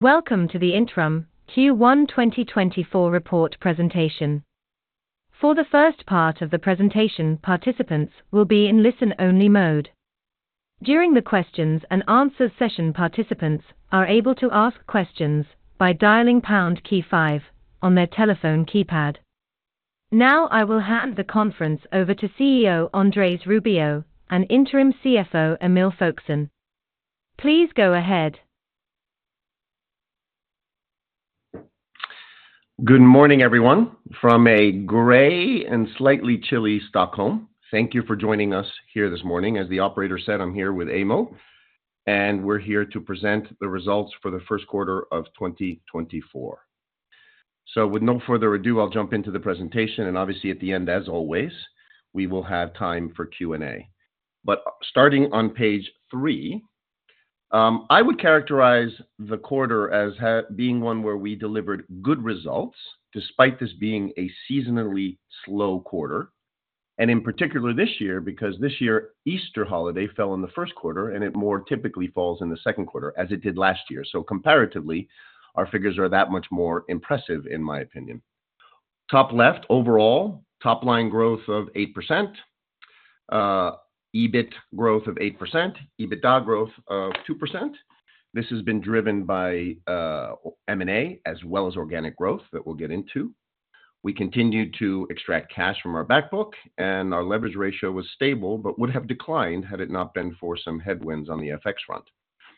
Welcome to the Intrum Q1 2024 report presentation. For the first part of the presentation, participants will be in listen-only mode. During the questions and answers session, participants are able to ask questions by dialing pound key five on their telephone keypad. Now, I will hand the conference over to CEO Andrés Rubio and Interim CFO Emil Folkesson. Please go ahead. Good morning, everyone. From a gray and slightly chilly Stockholm, thank you for joining us here this morning. As the operator said, I'm here with Emil, and we're here to present the results for the first quarter of 2024. So with no further ado, I'll jump into the presentation, and obviously, at the end, as always, we will have time for Q&A. But starting on page 3, I would characterize the quarter as being one where we delivered good results, despite this being a seasonally slow quarter, and in particular this year, because this year, Easter holiday fell in the first quarter, and it more typically falls in the second quarter, as it did last year. So comparatively, our figures are that much more impressive, in my opinion. Top left, overall, top line growth of 8%, EBIT growth of 8%, EBITDA growth of 2%. This has been driven by M&A as well as organic growth that we'll get into. We continued to extract cash from our backbook and our leverage ratio was stable, but would have declined had it not been for some headwinds on the FX front.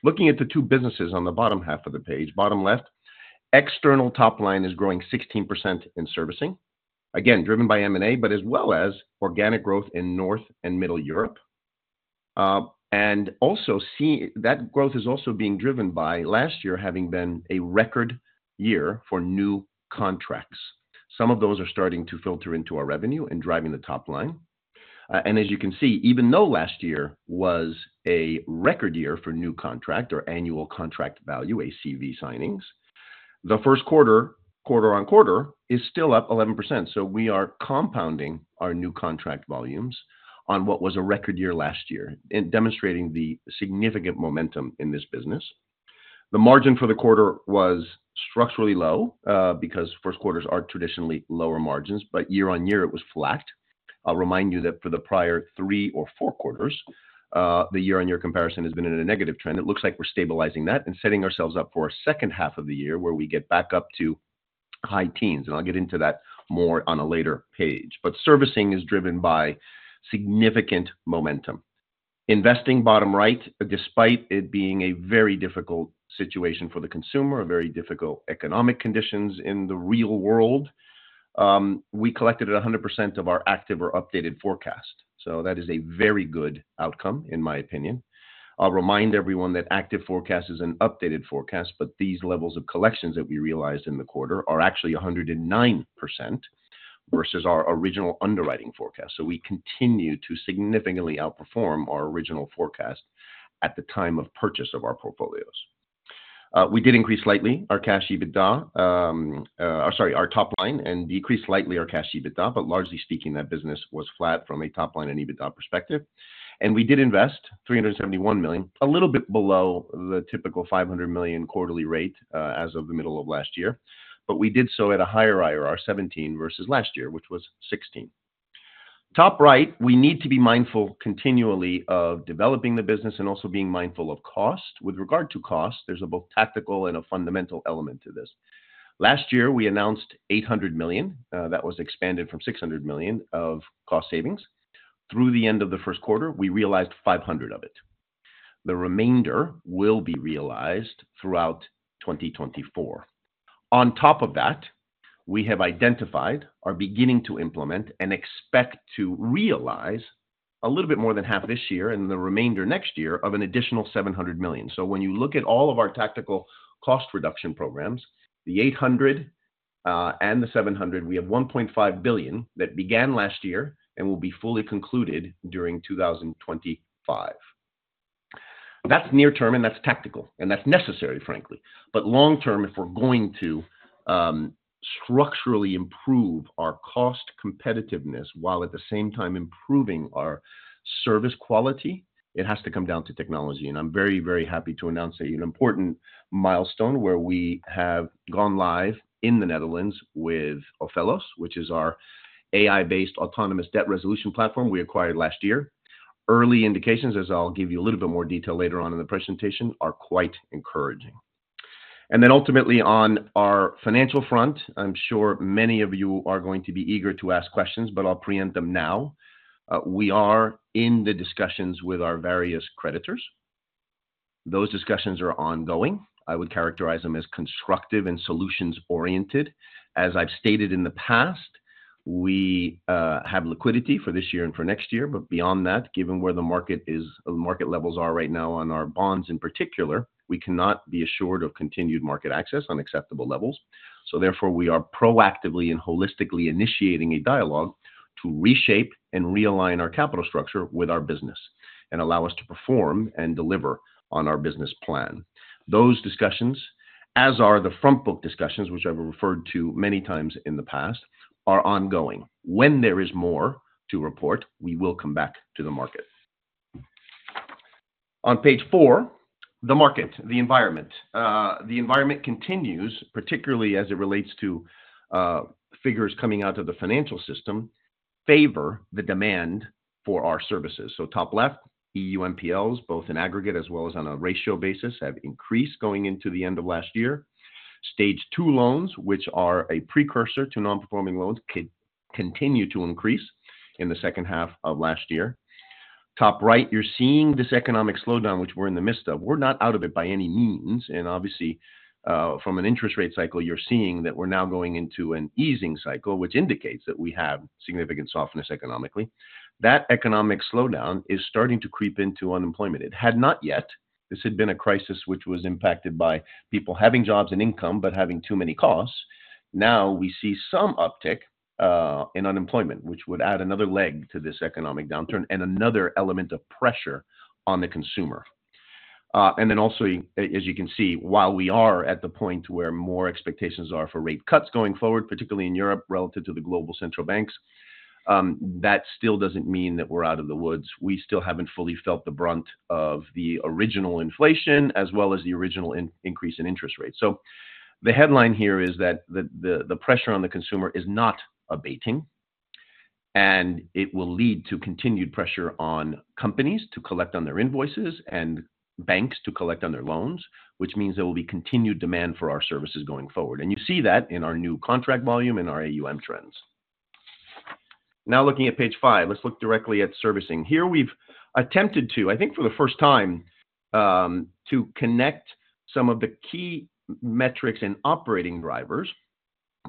Looking at the two businesses on the bottom half of the page, bottom left, external top line is growing 16% in servicing, again, driven by M&A, but as well as organic growth in North and Middle Europe. And also see that growth is also being driven by last year having been a record year for new contracts. Some of those are starting to filter into our revenue and driving the top line. And as you can see, even though last year was a record year for new contract or annual contract value, ACV signings, the first quarter, quarter-on-quarter, is still up 11%. So we are compounding our new contract volumes on what was a record year last year and demonstrating the significant momentum in this business. The margin for the quarter was structurally low, because first quarters are traditionally lower margins, but year-on-year it was flat. I'll remind you that for the prior three or four quarters, the year-on-year comparison has been in a negative trend. It looks like we're stabilizing that and setting ourselves up for a second half of the year where we get back up to high teens, and I'll get into that more on a later page. But servicing is driven by significant momentum. Investing, bottom right, despite it being a very difficult situation for the consumer, a very difficult economic conditions in the real world, we collected 100% of our active or updated forecast, so that is a very good outcome, in my opinion. I'll remind everyone that active forecast is an updated forecast, but these levels of collections that we realized in the quarter are actually 109% versus our original underwriting forecast. So we continue to significantly outperform our original forecast at the time of purchase of our portfolios. We did increase slightly our cash EBITDA, sorry, our top line, and decreased slightly our cash EBITDA, but largely speaking, that business was flat from a top line and EBITDA perspective. We did invest 371 million, a little bit below the typical 500 million quarterly rate, as of the middle of last year, but we did so at a higher IRR, 17 versus last year, which was 16. Top right, we need to be mindful continually of developing the business and also being mindful of cost. With regard to cost, there's a both tactical and a fundamental element to this. Last year, we announced 800 million, that was expanded from 600 million, of cost savings. Through the end of the first quarter, we realized 500 million of it. The remainder will be realized throughout 2024. On top of that, we have identified, are beginning to implement, and expect to realize a little bit more than half this year and the remainder next year of an additional 700 million. When you look at all of our tactical cost reduction programs, the 800 million and the 700 million, we have 1.5 billion that began last year and will be fully concluded during 2025. That's near term, and that's tactical, and that's necessary, frankly. But long term, if we're going to structurally improve our cost competitiveness while at the same time improving our service quality, it has to come down to technology. And I'm very, very happy to announce an important milestone where we have gone live in the Netherlands with Ophelos, which is our AI-based autonomous debt resolution platform we acquired last year. Early indications, as I'll give you a little bit more detail later on in the presentation, are quite encouraging. And then ultimately, on our financial front, I'm sure many of you are going to be eager to ask questions, but I'll preempt them now. We are in the discussions with our various creditors. Those discussions are ongoing. I would characterize them as constructive and solutions-oriented. As I've stated in the past, we have liquidity for this year and for next year, but beyond that, given where the market is, the market levels are right now on our bonds in particular, we cannot be assured of continued market access on acceptable levels. So therefore, we are proactively and holistically initiating a dialogue to reshape and realign our capital structure with our business and allow us to perform and deliver on our business plan. Those discussions, as are the front book discussions, which I've referred to many times in the past, are ongoing. When there is more to report, we will come back to the market. On page four, the market, the environment. The environment continues, particularly as it relates to figures coming out of the financial system, favor the demand for our services. So top left, EU NPLs, both in aggregate as well as on a ratio basis, have increased going into the end of last year. Stage Two loans, which are a precursor to non-performing loans, continue to increase in the second half of last year. Top right, you're seeing this economic slowdown, which we're in the midst of. We're not out of it by any means, and obviously, from an interest rate cycle, you're seeing that we're now going into an easing cycle, which indicates that we have significant softness economically. That economic slowdown is starting to creep into unemployment. It had not yet. This had been a crisis which was impacted by people having jobs and income, but having too many costs. Now, we see some uptick in unemployment, which would add another leg to this economic downturn and another element of pressure on the consumer. And then also, as you can see, while we are at the point where more expectations are for rate cuts going forward, particularly in Europe, relative to the global central banks, that still doesn't mean that we're out of the woods. We still haven't fully felt the brunt of the original inflation, as well as the original increase in interest rates. So the headline here is that the pressure on the consumer is not abating, and it will lead to continued pressure on companies to collect on their invoices and banks to collect on their loans, which means there will be continued demand for our services going forward. You see that in our new contract volume and our AUM trends. Now, looking at page five, let's look directly at servicing. Here, we've attempted to, I think for the first time, to connect some of the key metrics and operating drivers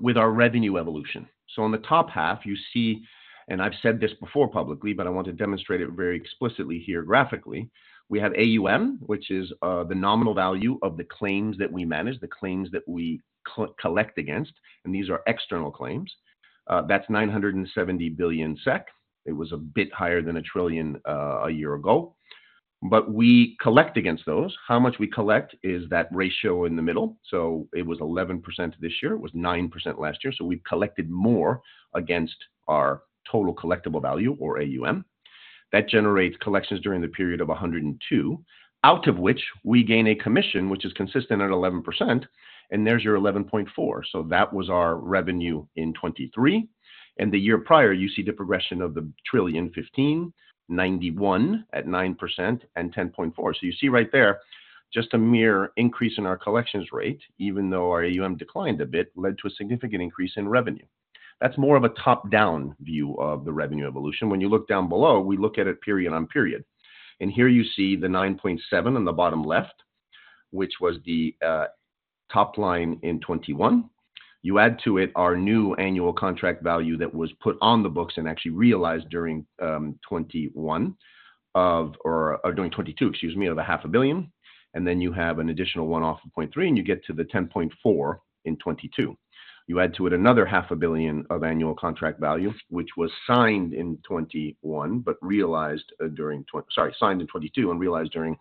with our revenue evolution. So on the top half, you see, and I've said this before publicly, but I want to demonstrate it very explicitly here graphically. We have AUM, which is, the nominal value of the claims that we manage, the claims that we collect against, and these are external claims. That's 970 billion SEK. It was a bit higher than a trillion a year ago. But we collect against those. How much we collect is that ratio in the middle. So it was 11% this year. It was 9% last year. So we've collected more against our total collectible value or AUM. That generates collections during the period of 102 billion, out of which we gain a commission, which is consistent at 11%, and there's your 11.4. So that was our revenue in 2023. And the year prior, you see the progression of 1,015 billion, 91 at 9% and 10.4. So you see right there, just a mere increase in our collections rate, even though our AUM declined a bit, led to a significant increase in revenue. That's more of a top-down view of the revenue evolution. When you look down below, we look at it period on period. And here you see the 9.7 billion on the bottom left, which was the top line in 2021. You add to it our new annual contract value that was put on the books and actually realized during 2021 or during 2022, excuse me, of 0.5 billion, and then you have an additional one-off of 0.3, and you get to the 10.4 billion in 2022. You add to it another 0.5 billion of annual contract value, which was signed in 2021, but realized during sorry, signed in 2022 and realized during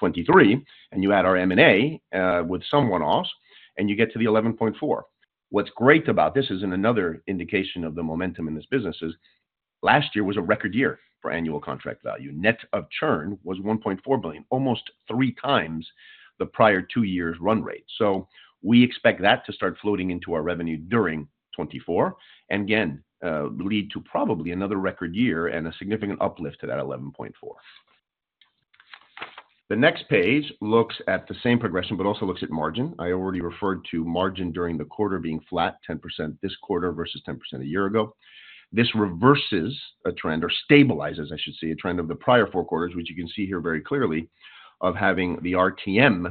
2023, and you add our M&A with some one-offs, and you get to the 11.4 billion. What's great about this is in another indication of the momentum in this business is, last year was a record year for annual contract value. Net of churn was 1.4 billion, almost three times the prior two years' run rate. So we expect that to start floating into our revenue during 2024, and again, lead to probably another record year and a significant uplift to that 11.4. The next page looks at the same progression, but also looks at margin. I already referred to margin during the quarter being flat, 10% this quarter versus 10% a year ago. This reverses a trend or stabilizes, I should say, a trend of the prior four quarters, which you can see here very clearly, of having the RTM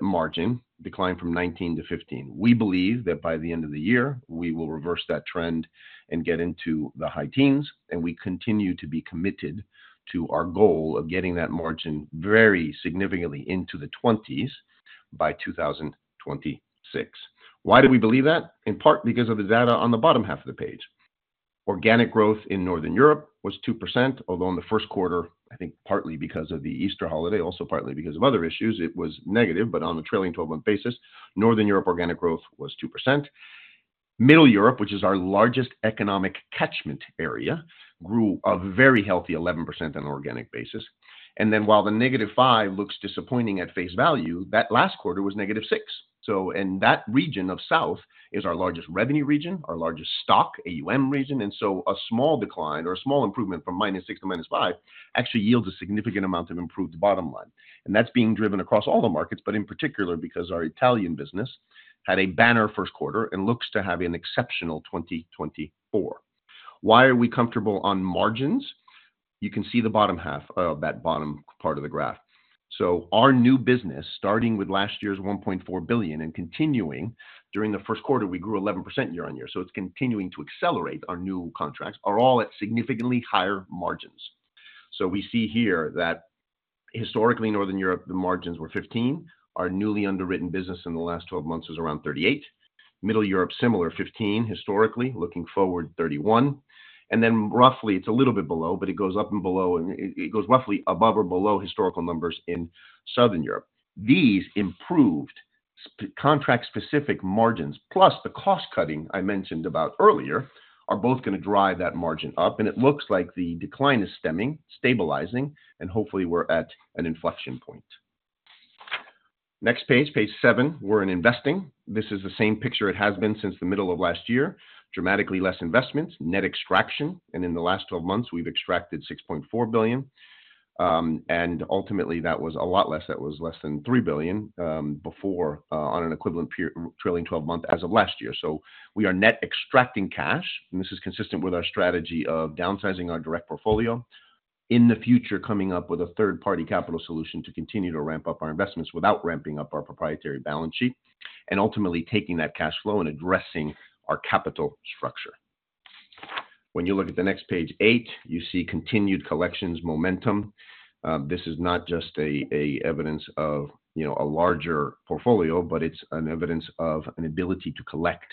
margin decline from 19%-15%. We believe that by the end of the year, we will reverse that trend and get into the high teens, and we continue to be committed to our goal of getting that margin very significantly into the twenties by 2026. Why do we believe that? In part, because of the data on the bottom half of the page. Organic growth in Northern Europe was 2%, although in the first quarter, I think partly because of the Easter holiday, also partly because of other issues, it was negative, but on a trailing twelve-month basis, Northern Europe organic growth was 2%. Middle Europe, which is our largest economic catchment area, grew a very healthy 11% on an organic basis. And then while the negative five looks disappointing at face value, that last quarter was negative six. And that region of South is our largest revenue region, our largest stock, AUM region, and so a small decline or a small improvement from -6% to -5%, actually yields a significant amount of improved bottom line. And that's being driven across all the markets, but in particular, because our Italian business had a banner first quarter and looks to have an exceptional 2024. Why are we comfortable on margins? You can see the bottom half of that bottom part of the graph. So our new business, starting with last year's 1.4 billion and continuing during the first quarter, we grew 11% year-on-year. So it's continuing to accelerate our new contracts are all at significantly higher margins. So we see here that historically, Northern Europe, the margins were 15%. Our newly underwritten business in the last 12 months was around 38%. Middle Europe, similar, 15 historically, looking forward, 31. Then roughly, it's a little bit below, but it goes up and below, and it goes roughly above or below historical numbers in Southern Europe. These improved specific contract margins, plus the cost cutting I mentioned earlier, are both going to drive that margin up, and it looks like the decline is stemming, stabilizing, and hopefully we're at an inflection point. Next page, page seven. We're in investing. This is the same picture it has been since the middle of last year. Dramatically less investments, net extraction, and in the last 12 months, we've extracted 6.4 billion. And ultimately, that was a lot less. That was less than 3 billion before, on an equivalent trailing twelve month as of last year. So we are net extracting cash, and this is consistent with our strategy of downsizing our direct portfolio. In the future, coming up with a third-party capital solution to continue to ramp up our investments without ramping up our proprietary balance sheet, and ultimately taking that cash flow and addressing our capital structure. When you look at the next page 8, you see continued collections momentum. This is not just a evidence of, you know, a larger portfolio, but it's an evidence of an ability to collect.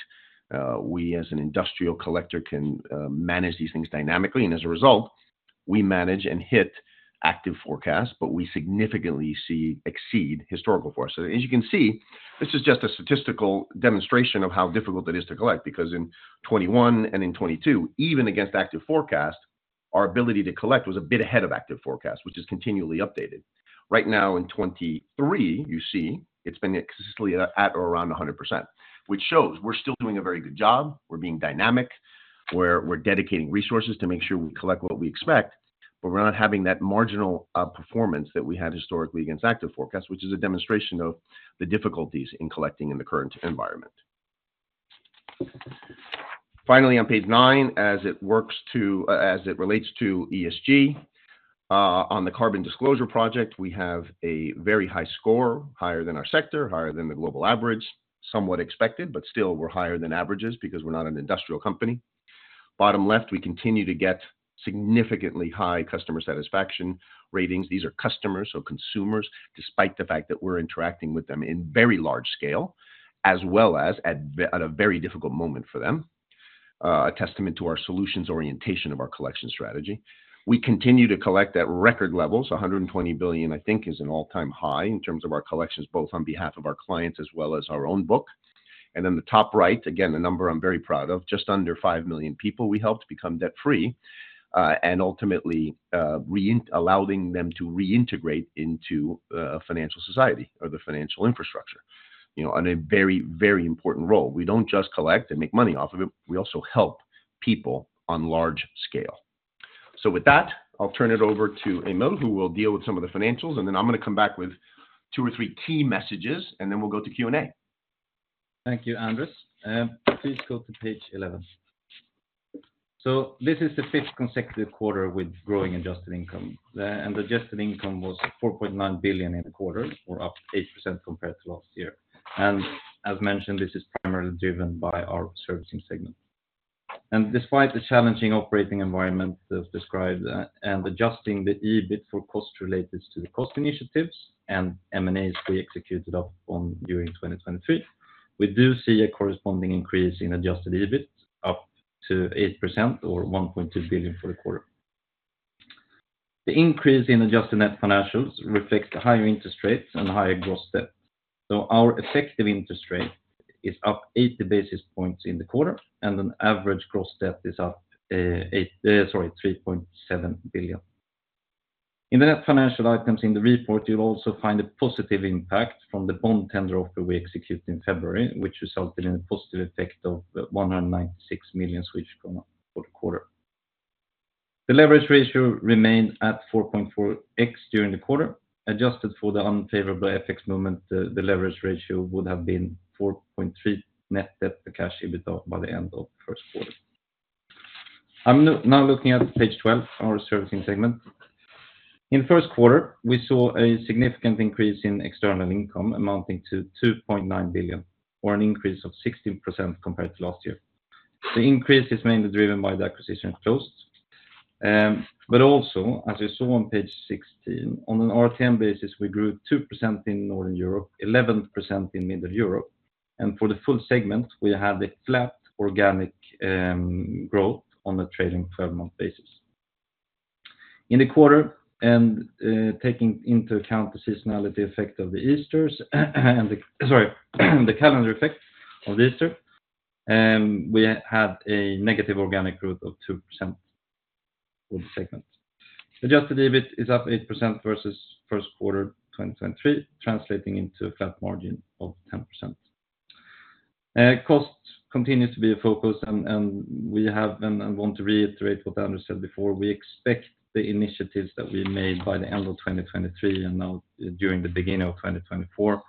We, as an industrial collector, can manage these things dynamically, and as a result, we manage and hit active forecasts, but we significantly exceed historical forecasts. So as you can see, this is just a statistical demonstration of how difficult it is to collect, because in 2021 and in 2022, even against active forecast, our ability to collect was a bit ahead of active forecast, which is continually updated. Right now in 2023, you see it's been consistently at or around 100%, which shows we're still doing a very good job, we're being dynamic, we're, we're dedicating resources to make sure we collect what we expect, but we're not having that marginal performance that we had historically against active forecasts, which is a demonstration of the difficulties in collecting in the current environment. Finally, on page 9, as it relates to ESG, on the Carbon Disclosure Project, we have a very high score, higher than our sector, higher than the global average. Somewhat expected, but still we're higher than averages because we're not an industrial company. Bottom left, we continue to get significantly high customer satisfaction ratings. These are customers or consumers, despite the fact that we're interacting with them in very large scale, as well as at a very difficult moment for them. A testament to our solutions orientation of our collection strategy. We continue to collect at record levels. 120 billion, I think, is an all-time high in terms of our collections, both on behalf of our clients as well as our own book. And then the top right, again, a number I'm very proud of, just under 5 million people we helped become debt-free, and ultimately, allowing them to reintegrate into financial society or the financial infrastructure, you know, on a very, very important role. We don't just collect and make money off of it, we also help people on large scale. With that, I'll turn it over to Emil, who will deal with some of the financials, and then I'm gonna come back with two or three key messages, and then we'll go to Q&A. Thank you, Andrés. Please go to page 11. So this is the 5th consecutive quarter with growing adjusted income, and adjusted income was 4.9 billion in the quarter, or up 8% compared to last year. And as mentioned, this is primarily driven by our servicing segment. And despite the challenging operating environment as described, and adjusting the EBIT for costs related to the cost initiatives and M&As we executed upon during 2023, we do see a corresponding increase in adjusted EBIT up 8% or 1.2 billion for the quarter. The increase in adjusted net financials reflects the higher interest rates and higher gross debt. So our effective interest rate is up 80 basis points in the quarter, and an average gross debt is up 3.7 billion. In the net financial items in the report, you'll also find a positive impact from the bond tender offer we executed in February, which resulted in a positive effect of 196 million Swedish kronor for the quarter. The leverage ratio remained at 4.4x during the quarter. Adjusted for the unfavorable FX movement, the leverage ratio would have been 4.3 net debt to cash EBITDA by the end of the first quarter. I'm now looking at page 12, our servicing segment. In the first quarter, we saw a significant increase in external income amounting to 2.9 billion, or an increase of 16% compared to last year. The increase is mainly driven by the acquisition costs, but also, as you saw on page 16, on an RTM basis, we grew 2% in Northern Europe, 11% in Middle Europe, and for the full segment, we had a flat organic growth on a trailing twelve-month basis. In the quarter, and taking into account the seasonality effect and the calendar effect of Easter, we had a negative organic growth of -2% for the segment. Adjusted EBIT is up 8% versus first quarter 2023, translating into a flat margin of 10%. Cost continues to be a focus, and we have been and want to reiterate what Andrés said before. We expect the initiatives that we made by the end of 2023 and now during the beginning of 2024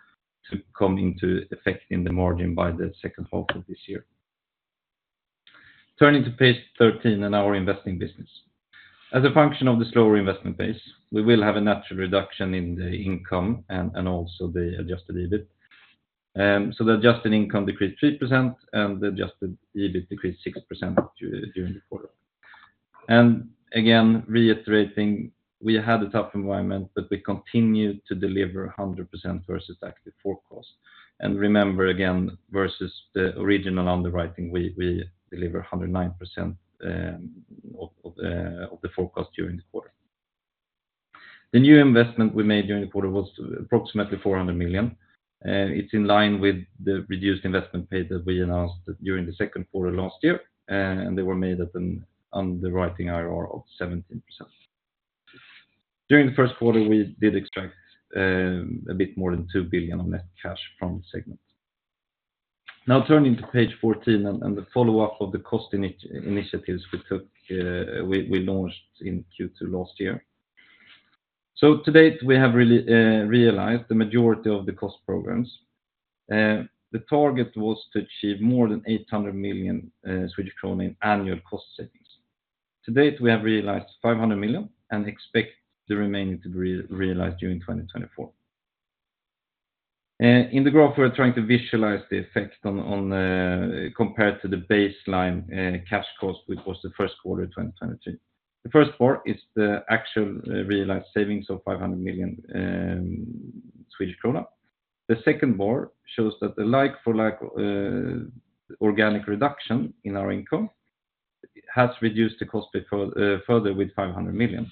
to come into effect in the margin by the second half of this year. Turning to page 13 and our investing business. As a function of the slower investment pace, we will have a natural reduction in the income and also the adjusted EBIT. So the adjusted income decreased 3% and the adjusted EBIT decreased 6% during the quarter. And again, reiterating, we had a tough environment, but we continued to deliver 100% versus active forecast. And remember, again, versus the original underwriting, we delivered 109% of the forecast during the quarter. The new investment we made during the quarter was approximately 400 million. It's in line with the reduced investment pace that we announced during the second quarter last year, and they were made at an underwriting IRR of 17%. During the first quarter, we did extract a bit more than 2 billion of net cash from the segment. Now turning to page 14 and the follow-up of the cost initiatives we took, we launched in Q2 last year. So to date, we have really realized the majority of the cost programs. The target was to achieve more than 800 million Swedish krona in annual cost savings. To date, we have realized 500 million and expect the remaining to be realized during 2024. In the graph, we're trying to visualize the effect compared to the baseline cash cost, which was the first quarter of 2022. The first bar is the actual realized savings of 500 million Swedish krona. The second bar shows that the like for like organic reduction in our income has reduced the cost before further with 500 million.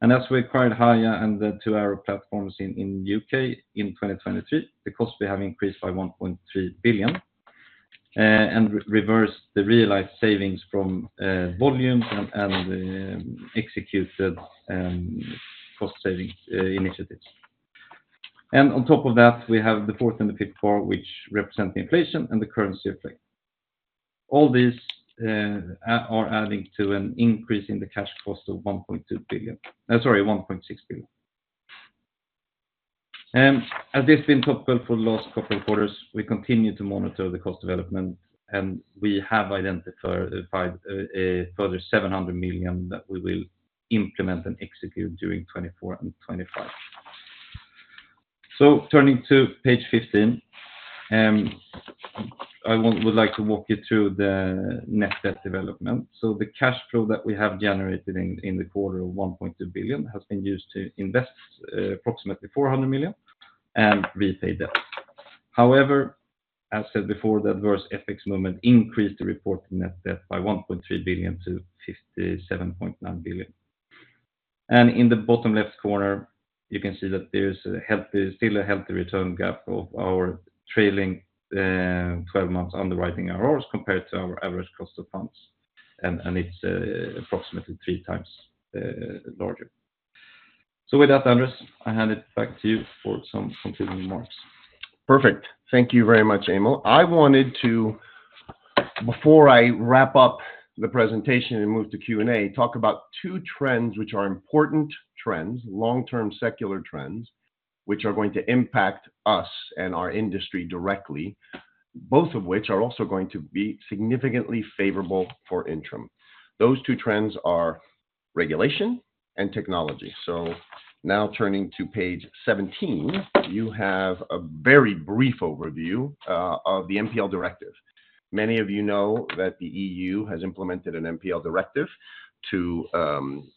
And as we acquired Haya and the two Arrow platforms in UK in 2023, the costs were having increased by 1.3 billion and reversed the realized savings from volume and executed cost savings initiatives. And on top of that, we have the fourth and the fifth bar, which represent the inflation and the currency effect. All these are adding to an increase in the cash cost of 1.2 billion... sorry, 1.6 billion. As this has been talked about for the last couple of quarters, we continue to monitor the cost development, and we have identified a further 700 million that we will implement and execute during 2024 and 2025. Turning to page 15, I would like to walk you through the net debt development. The cash flow that we have generated in the quarter of 1.2 billion has been used to invest approximately 400 million and repay debt. However, as said before, the adverse FX movement increased the reported net debt by 1.3 billion to 57.9 billion. In the bottom left corner, you can see that there's a healthy—still a healthy return gap of our trailing 12 months underwriting IRRs compared to our average cost of funds, and it's approximately 3 times larger. So with that, Andrés, I hand it back to you for some concluding remarks. Perfect. Thank you very much, Emil. I wanted to, before I wrap up the presentation and move to Q&A, talk about two trends which are important trends, long-term secular trends, which are going to impact us and our industry directly, both of which are also going to be significantly favorable for Intrum. Those two trends are regulation and technology. So now turning to page 17, you have a very brief overview of the NPL Directive. Many of you know that the EU has implemented an NPL Directive to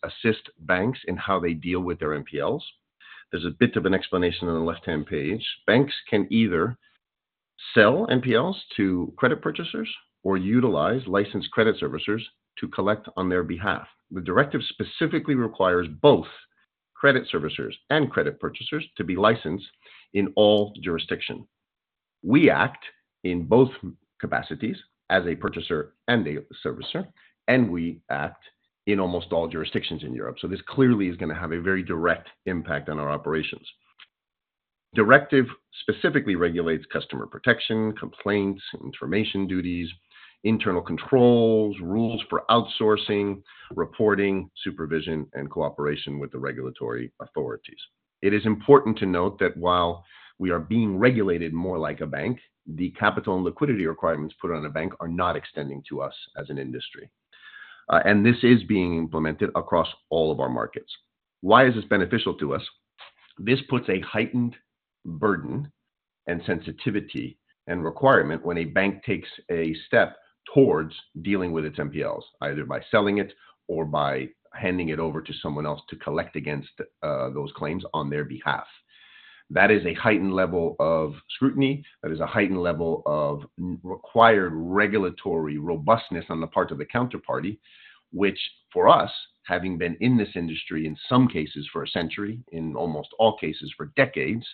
assist banks in how they deal with their NPLs. There's a bit of an explanation on the left-hand page. Banks can either sell NPLs to credit purchasers or utilize licensed credit servicers to collect on their behalf. The directive specifically requires both credit servicers and credit purchasers to be licensed in all jurisdiction. We act in both capacities as a purchaser and a servicer, and we act in almost all jurisdictions in Europe. So this clearly is gonna have a very direct impact on our operations. Directive specifically regulates customer protection, complaints, information duties, internal controls, rules for outsourcing, reporting, supervision, and cooperation with the regulatory authorities. It is important to note that while we are being regulated more like a bank, the capital and liquidity requirements put on a bank are not extending to us as an industry. And this is being implemented across all of our markets. Why is this beneficial to us? This puts a heightened burden, and sensitivity, and requirement when a bank takes a step towards dealing with its NPLs, either by selling it or by handing it over to someone else to collect against those claims on their behalf. That is a heightened level of scrutiny, that is a heightened level of required regulatory robustness on the part of the counterparty, which for us, having been in this industry, in some cases for a century, in almost all cases for decades,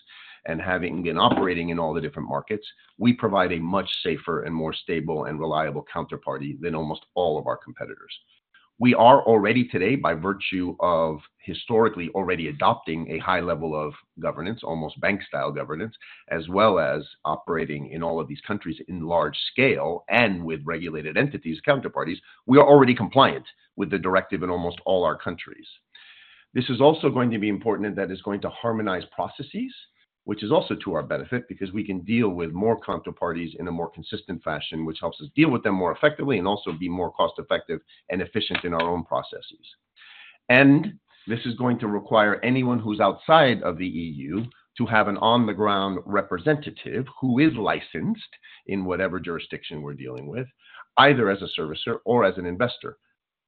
and having been operating in all the different markets, we provide a much safer and more stable and reliable counterparty than almost all of our competitors. We are already today, by virtue of historically already adopting a high level of governance, almost bank-style governance, as well as operating in all of these countries in large scale and with regulated entities, counterparties, we are already compliant with the directive in almost all our countries. This is also going to be important in that it's going to harmonize processes, which is also to our benefit, because we can deal with more counterparties in a more consistent fashion, which helps us deal with them more effectively and also be more cost-effective and efficient in our own processes. And this is going to require anyone who's outside of the EU to have an on-the-ground representative who is licensed in whatever jurisdiction we're dealing with, either as a servicer or as an investor,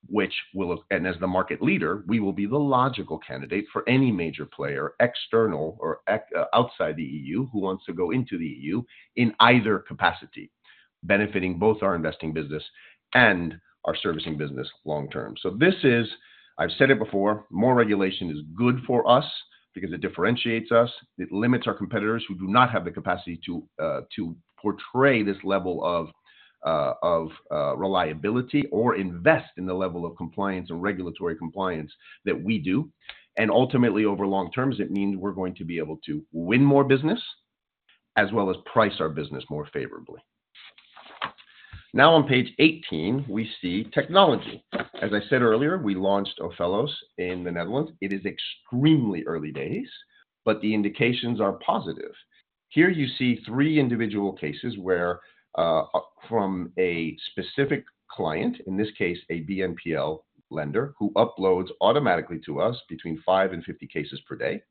which will... And as the market leader, we will be the logical candidate for any major player, external or outside the EU, who wants to go into the EU in either capacity, benefiting both our investing business and our servicing business long term. So this is, I've said it before, more regulation is good for us... because it differentiates us, it limits our competitors who do not have the capacity to to portray this level of of reliability or invest in the level of compliance and regulatory compliance that we do. And ultimately, over long terms, it means we're going to be able to win more business, as well as price our business more favorably. Now, on page 18, we see technology. As I said earlier, we launched Ophelos in the Netherlands. It is extremely early days, but the indications are positive. Here you see three individual cases where, from a specific client, in this case, a BNPL lender, who uploads automatically to us between 5 and 50 cases per day.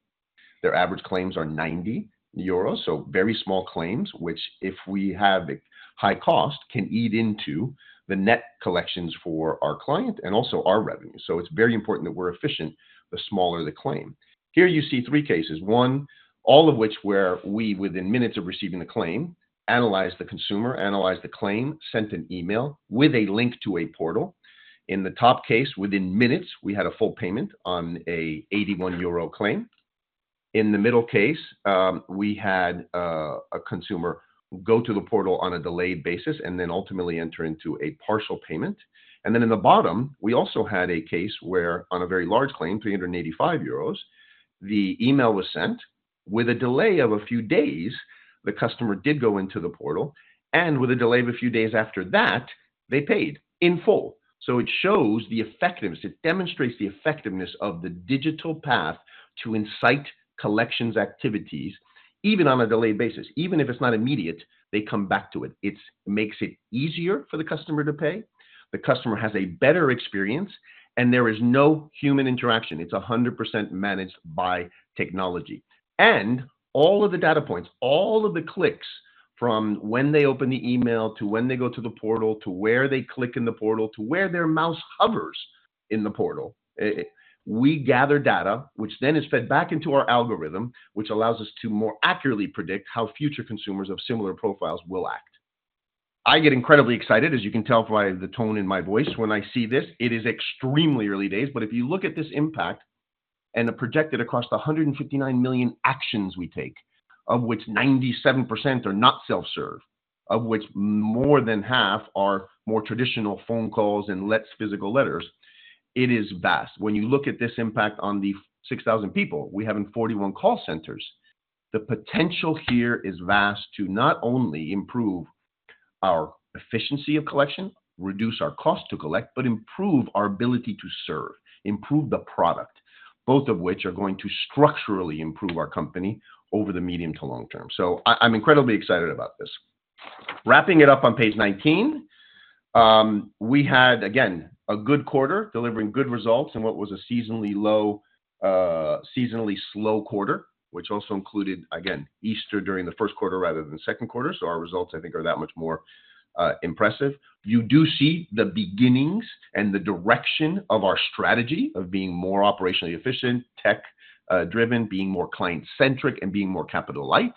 Their average claims are 90 euros, so very small claims, which, if we have a high cost, can eat into the net collections for our client and also our revenue. So it's very important that we're efficient, the smaller the claim. Here you see three cases, all of which where we, within minutes of receiving the claim, analyzed the consumer, analyzed the claim, sent an email with a link to a portal. In the top case, within minutes, we had a full payment on a 81 euro claim. In the middle case, we had a consumer go to the portal on a delayed basis and then ultimately enter into a partial payment. Then in the bottom, we also had a case where on a very large claim, 385 euros, the email was sent. With a delay of a few days, the customer did go into the portal, and with a delay of a few days after that, they paid in full. So it shows the effectiveness. It demonstrates the effectiveness of the digital path to incite collections activities, even on a delayed basis. Even if it's not immediate, they come back to it. It's makes it easier for the customer to pay. The customer has a better experience, and there is no human interaction. It's 100% managed by technology. All of the data points, all of the clicks, from when they open the email to when they go to the portal, to where they click in the portal, to where their mouse hovers in the portal, we gather data, which then is fed back into our algorithm, which allows us to more accurately predict how future consumers of similar profiles will act. I get incredibly excited, as you can tell by the tone in my voice when I see this. It is extremely early days, but if you look at this impact and the projected across the 159 million actions we take, of which 97% are not self-serve, of which more than half are more traditional phone calls and less physical letters, it is vast. When you look at this impact on the 6,000 people we have in 41 call centers, the potential here is vast to not only improve our efficiency of collection, reduce our cost to collect, but improve our ability to serve, improve the product, both of which are going to structurally improve our company over the medium to long term. So I, I'm incredibly excited about this. Wrapping it up on page 19, we had, again, a good quarter, delivering good results in what was a seasonally low, seasonally slow quarter, which also included, again, Easter during the first quarter rather than the second quarter. So our results, I think, are that much more impressive. You do see the beginnings and the direction of our strategy of being more operationally efficient, tech driven, being more client-centric and being more capital light.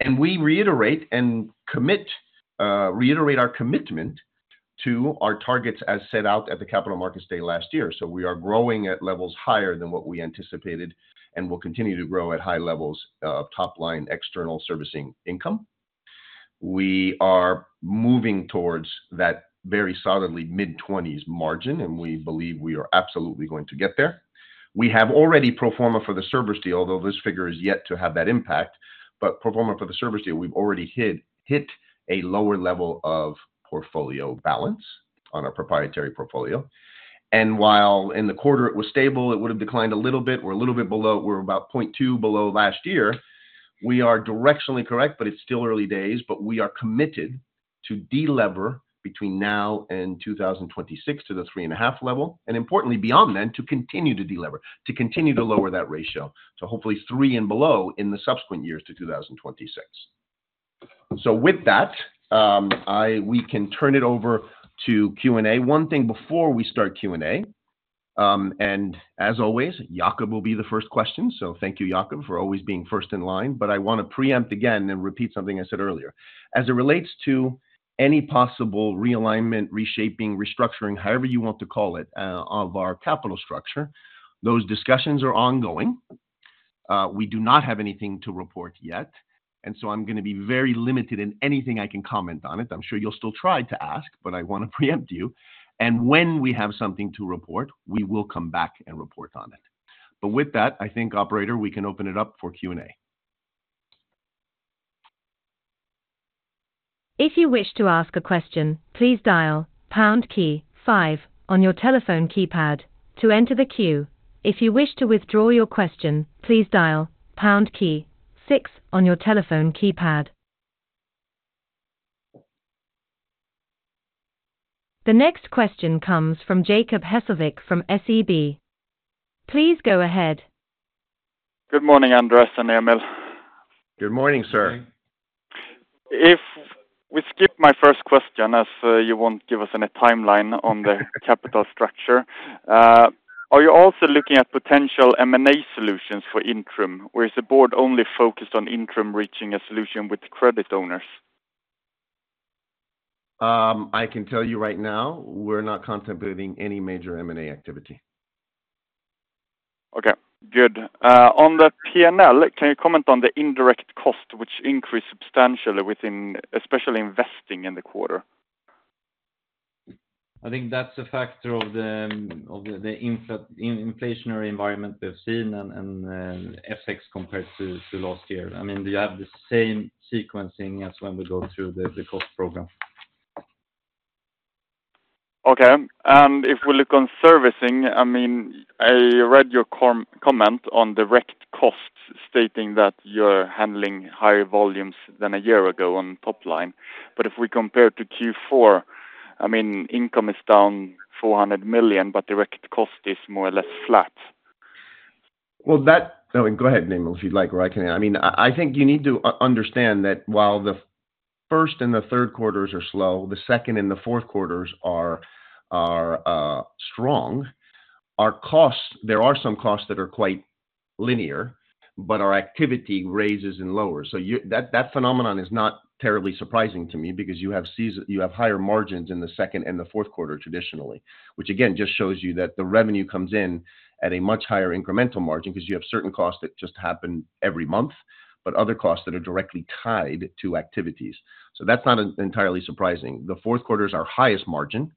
And we reiterate and commit, reiterate our commitment to our targets as set out at the Capital Markets Day last year. So we are growing at levels higher than what we anticipated and will continue to grow at high levels of top-line external servicing income. We are moving towards that very solidly mid-20s margin, and we believe we are absolutely going to get there. We have already pro forma for the Cerberus deal, although this figure is yet to have that impact, but pro forma for the Cerberus deal, we've already hit a lower level of portfolio balance on our proprietary portfolio, and while in the quarter it was stable, it would have declined a little bit. We're a little bit below. We're about 0.2 below last year. We are directionally correct, but it's still early days. But we are committed to delever between now and 2026 to the 3.5 level, and importantly, beyond then, to continue to delever, to continue to lower that ratio to hopefully 3 and below in the subsequent years to 2026. So with that, we can turn it over to Q&A. One thing before we start Q&A, and as always, Jacob will be the first question. So thank you, Jacob, for always being first in line. But I want to preempt again and repeat something I said earlier. As it relates to any possible realignment, reshaping, restructuring, however you want to call it, of our capital structure, those discussions are ongoing. We do not have anything to report yet, and so I'm going to be very limited in anything I can comment on it. I'm sure you'll still try to ask, but I want to preempt you. And when we have something to report, we will come back and report on it. But with that, I think, operator, we can open it up for Q&A. If you wish to ask a question, please dial pound key five on your telephone keypad to enter the queue. If you wish to withdraw your question, please dial pound key six on your telephone keypad. The next question comes from Jacob Hessle from SEB. Please go ahead. Good morning, Andrés and Emil. Good morning, sir. If we skip my first question, as you won't give us any timeline on the capital structure, are you also looking at potential M&A solutions for Intrum, or is the board only focused on Intrum reaching a solution with credit owners? I can tell you right now, we're not contemplating any major M&A activity. Okay, good. On the P&L, can you comment on the indirect cost, which increased substantially in Servicing, especially Investing in the quarter? I think that's a factor of the inflationary environment we've seen and FX compared to last year. I mean, they have the same sequencing as when we go through the cost program. Okay. And if we look on servicing, I mean, I read your comment on direct costs, stating that you're handling higher volumes than a year ago on top line. But if we compare to Q4, I mean, income is down 400 million, but direct cost is more or less flat. Well, that. Oh, go ahead, Emil, if you'd like, or I can. I mean, I think you need to understand that while the first and the third quarters are slow, the second and the fourth quarters are strong. Our costs. There are some costs that are quite linear, but our activity raises and lowers. So that phenomenon is not terribly surprising to me because you have higher margins in the second and the fourth quarter, traditionally. Which again, just shows you that the revenue comes in at a much higher incremental margin because you have certain costs that just happen every month, but other costs that are directly tied to activities. So that's not entirely surprising. The fourth quarter is our highest margin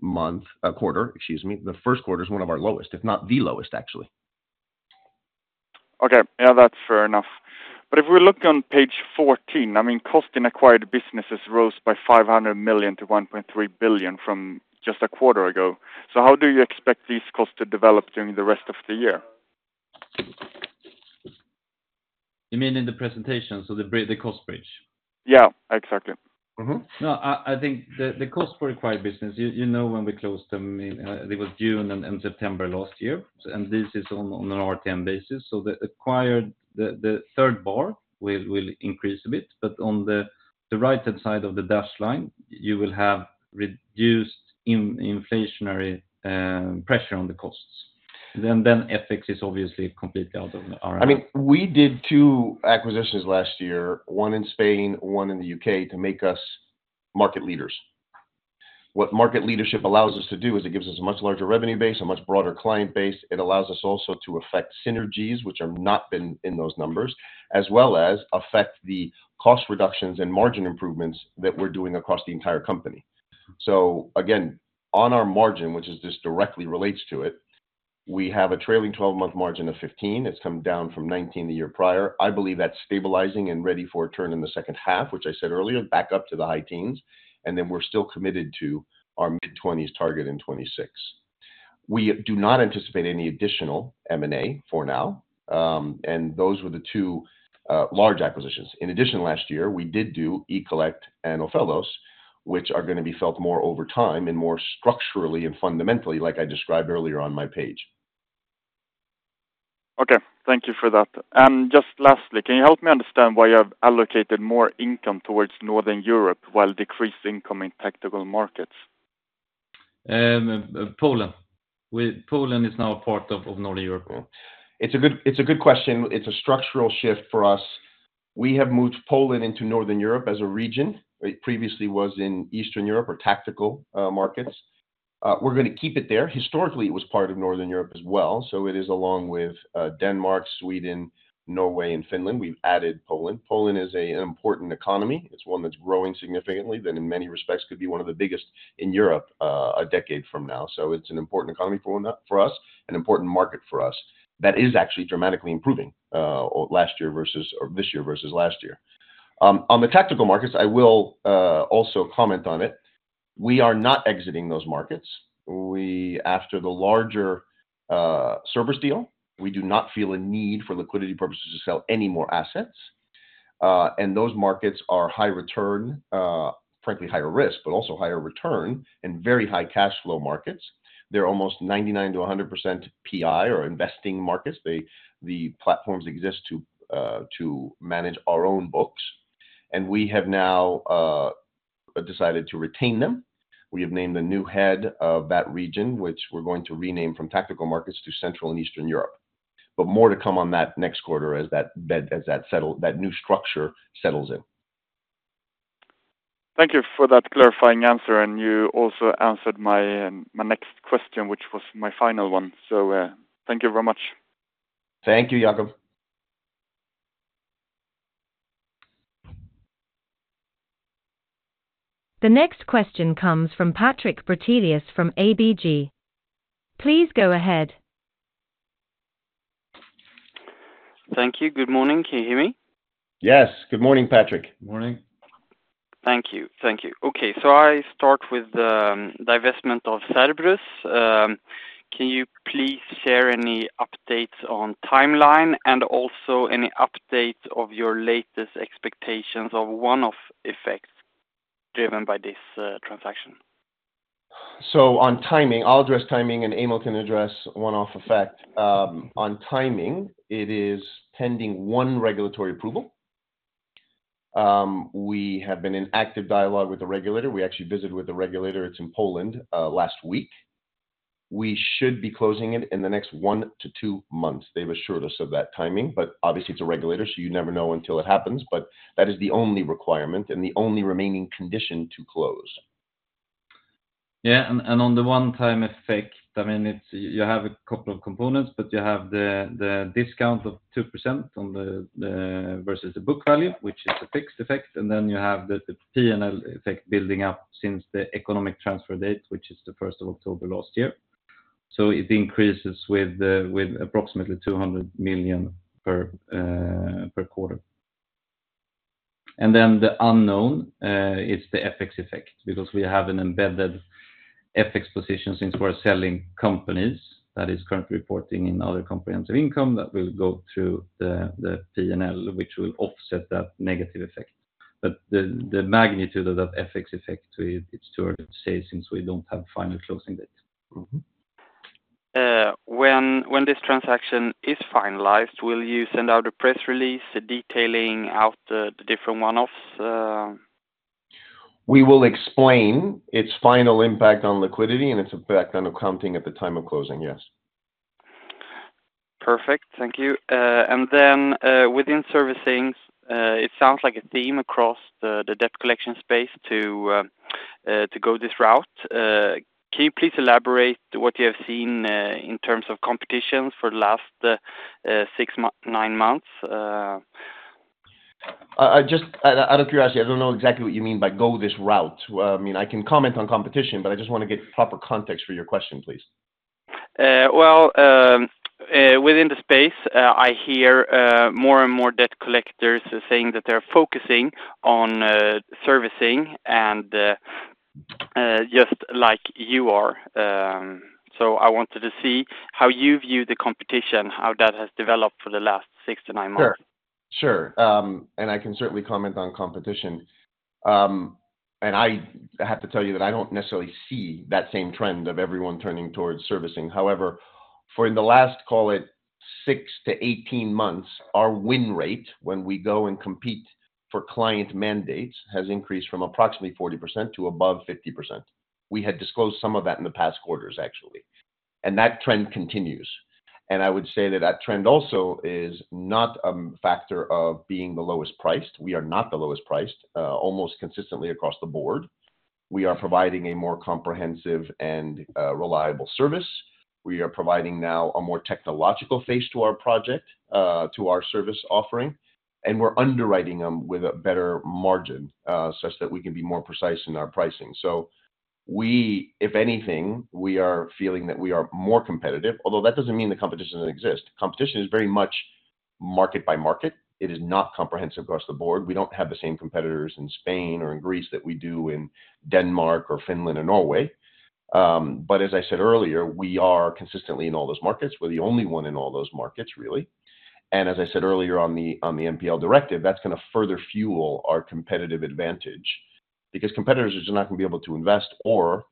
month, quarter, excuse me. The first quarter is one of our lowest, if not the lowest, actually. Okay. Yeah, that's fair enough. But if we look on page 14, I mean, costs in acquired businesses rose by 500 million to 1.3 billion from just a quarter ago. So how do you expect these costs to develop during the rest of the year? You mean in the presentation, so the cost bridge? Yeah, exactly. Mm-hmm. No, I think the cost for acquired business, you know, when we closed them, I mean, it was June and September last year, and this is on an RTM basis. So the acquired, the third bar will increase a bit, but on the right-hand side of the dashed line, you will have reduced inflationary pressure on the costs. Then FX is obviously completely out of our- I mean, we did 2 acquisitions last year, 1 in Spain, 1 in the UK, to make us market leaders. What market leadership allows us to do is it gives us a much larger revenue base, a much broader client base. It allows us also to affect synergies, which have not been in those numbers, as well as affect the cost reductions and margin improvements that we're doing across the entire company. So again, on our margin, which is this directly relates to it, we have a trailing twelve-month margin of 15%. It's come down from 19% the year prior. I believe that's stabilizing and ready for a turn in the second half, which I said earlier, back up to the high teens, and then we're still committed to our mid-twenties target in 2026. We do not anticipate any additional M&A for now, and those were the two large acquisitions. In addition, last year, we did do eCollect and Ophelos, which are gonna be felt more over time and more structurally and fundamentally, like I described earlier on my page. Okay, thank you for that. And just lastly, can you help me understand why you have allocated more income towards Northern Europe while decreased income in Southern markets? Poland. With Poland is now a part of Northern Europe. It's a good, it's a good question. It's a structural shift for us. We have moved Poland into Northern Europe as a region. It previously was in Eastern Europe or tactical markets. We're gonna keep it there. Historically, it was part of Northern Europe as well, so it is along with Denmark, Sweden, Norway, and Finland. We've added Poland. Poland is an important economy. It's one that's growing significantly, that in many respects, could be one of the biggest in Europe, a decade from now. So it's an important economy for us, an important market for us, that is actually dramatically improving, this year versus last year. On the tactical markets, I will also comment on it. We are not exiting those markets. After the larger Cerberus deal, we do not feel a need for liquidity purposes to sell any more assets, and those markets are high return, frankly, higher risk, but also higher return and very high cash flow markets. They're almost 99%-100% PI or investing markets. The platforms exist to manage our own books, and we have now decided to retain them. We have named a new head of that region, which we're going to rename from Tactical Markets to Central and Eastern Europe. But more to come on that next quarter as that new structure settles in. Thank you for that clarifying answer, and you also answered my next question, which was my final one. So, thank you very much. Thank you, Jacob. The next question comes from Patrik Brattelius from ABG. Please go ahead. Thank you. Good morning. Can you hear me? Yes. Good morning, Patrick. Morning. Thank you. Thank you. Okay, so I start with the divestment of Cerberus. Can you please share any updates on timeline and also any updates of your latest expectations of one-off effects driven by this transaction? So on timing, I'll address timing, and Emil can address one-off effect. On timing, it is pending one regulatory approval. We have been in active dialogue with the regulator. We actually visited with the regulator, it's in Poland, last week. We should be closing it in the next 1-2 months. They've assured us of that timing, but obviously it's a regulator, so you never know until it happens, but that is the only requirement and the only remaining condition to close. Yeah, and on the one-time effect, I mean, it's you have a couple of components, but you have the discount of 2% on the versus the book value, which is a fixed effect, and then you have the P&L effect building up since the economic transfer date, which is the first of October last year. So it increases with approximately 200 million per quarter. And then the unknown is the FX effect, because we have an embedded FX position since we're selling companies that is currently reporting in other comprehensive income that will go through the P&L, which will offset that negative effect. But the magnitude of that FX effect, it's too hard to say since we don't have final closing dates. Mm-hmm. When this transaction is finalized, will you send out a press release detailing out the different one-offs? We will explain its final impact on liquidity and its impact on accounting at the time of closing. Yes. Perfect. Thank you. And then, within servicing, it sounds like a theme across the debt collection space to go this route. Can you please elaborate what you have seen in terms of competition for the last nine months? I just out of curiosity, I don't know exactly what you mean by go this route. I mean, I can comment on competition, but I just want to get proper context for your question, please. Well, within the space, I hear more and more debt collectors saying that they're focusing on servicing and just like you are. So I wanted to see how you view the competition, how that has developed for the last 6-9 months. Sure, sure. I can certainly comment on competition. I have to tell you that I don't necessarily see that same trend of everyone turning towards servicing. However, in the last, call it 6-18 months, our win rate when we go and compete for client mandates has increased from approximately 40% to above 50%. We had disclosed some of that in the past quarters, actually, and that trend continues. I would say that that trend also is not a factor of being the lowest priced. We are not the lowest priced, almost consistently across the board. We are providing a more comprehensive and reliable service. We are providing now a more technological face to our project, to our service offering, and we're underwriting them with a better margin, such that we can be more precise in our pricing. So, if anything, we are feeling that we are more competitive, although that doesn't mean the competition doesn't exist. Competition is very much market by market. It is not comprehensive across the board. We don't have the same competitors in Spain or in Greece that we do in Denmark or Finland or Norway. But as I said earlier, we are consistently in all those markets. We're the only one in all those markets, really. As I said earlier on the NPL Directive, that's going to further fuel our competitive advantage because competitors are not going to be able to invest or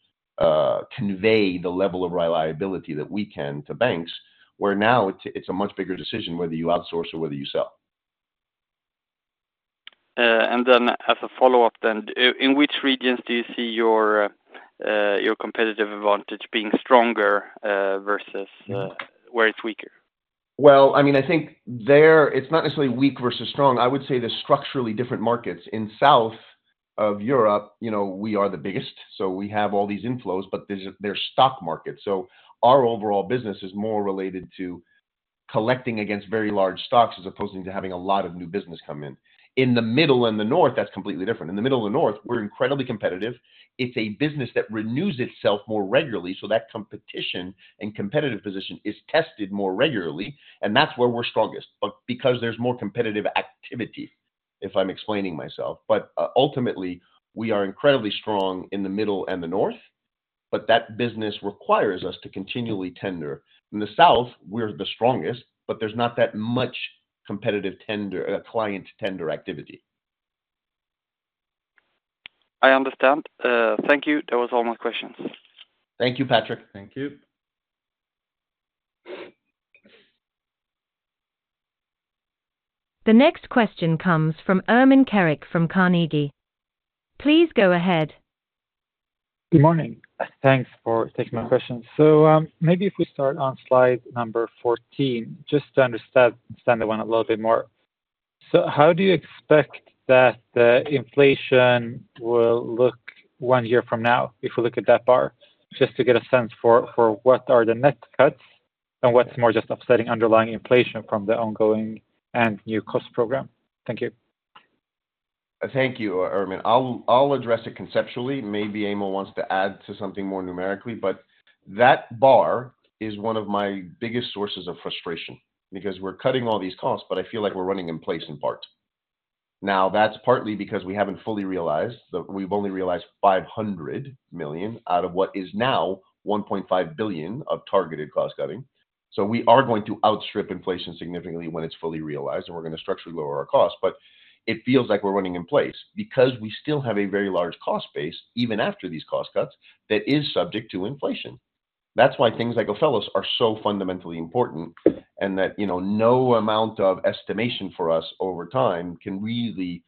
convey the level of reliability that we can to banks, where now it's a much bigger decision whether you outsource or whether you sell. And then as a follow-up then, in which regions do you see your, your competitive advantage being stronger, versus? Mm-hmm where it's weaker? Well, I mean, I think there it's not necessarily weak versus strong. I would say they're structurally different markets. In south of Europe, you know, we are the biggest, so we have all these inflows, but there, they're stock markets. So our overall business is more related to collecting against very large stocks as opposed to having a lot of new business come in. In the middle and the north, that's completely different. In the middle of the north, we're incredibly competitive. It's a business that renews itself more regularly, so that competition and competitive position is tested more regularly, and that's where we're strongest. But because there's more competitive activity, if I'm explaining myself. But ultimately, we are incredibly strong in the middle and the north, but that business requires us to continually tender. In the south, we're the strongest, but there's not that much competitive tender, client tender activity. I understand. Thank you. That was all my questions. Thank you, Patrick. Thank you. The next question comes from Ermin Keric from Carnegie. Please go ahead. Good morning. Thanks for taking my question. So, maybe if we start on slide number 14, just to understand that one a little bit more. So how do you expect that the inflation will look 1 year from now, if we look at that bar? Just to get a sense for what are the net cuts and what's more just upsetting underlying inflation from the ongoing and new cost program. Thank you. Thank you, Ermin. I'll address it conceptually. Maybe Emil wants to add to something more numerically, but that bar is one of my biggest sources of frustration because we're cutting all these costs, but I feel like we're running in place in part. Now, that's partly because we haven't fully realized that we've only realized 500 million out of what is now 1.5 billion of targeted cost cutting. So we are going to outstrip inflation significantly when it's fully realized, and we're going to structurally lower our costs, but it feels like we're running in place because we still have a very large cost base, even after these cost cuts, that is subject to inflation. That's why things like Ophelos are so fundamentally important, and that, you know, no amount of estimation for us over time can really-...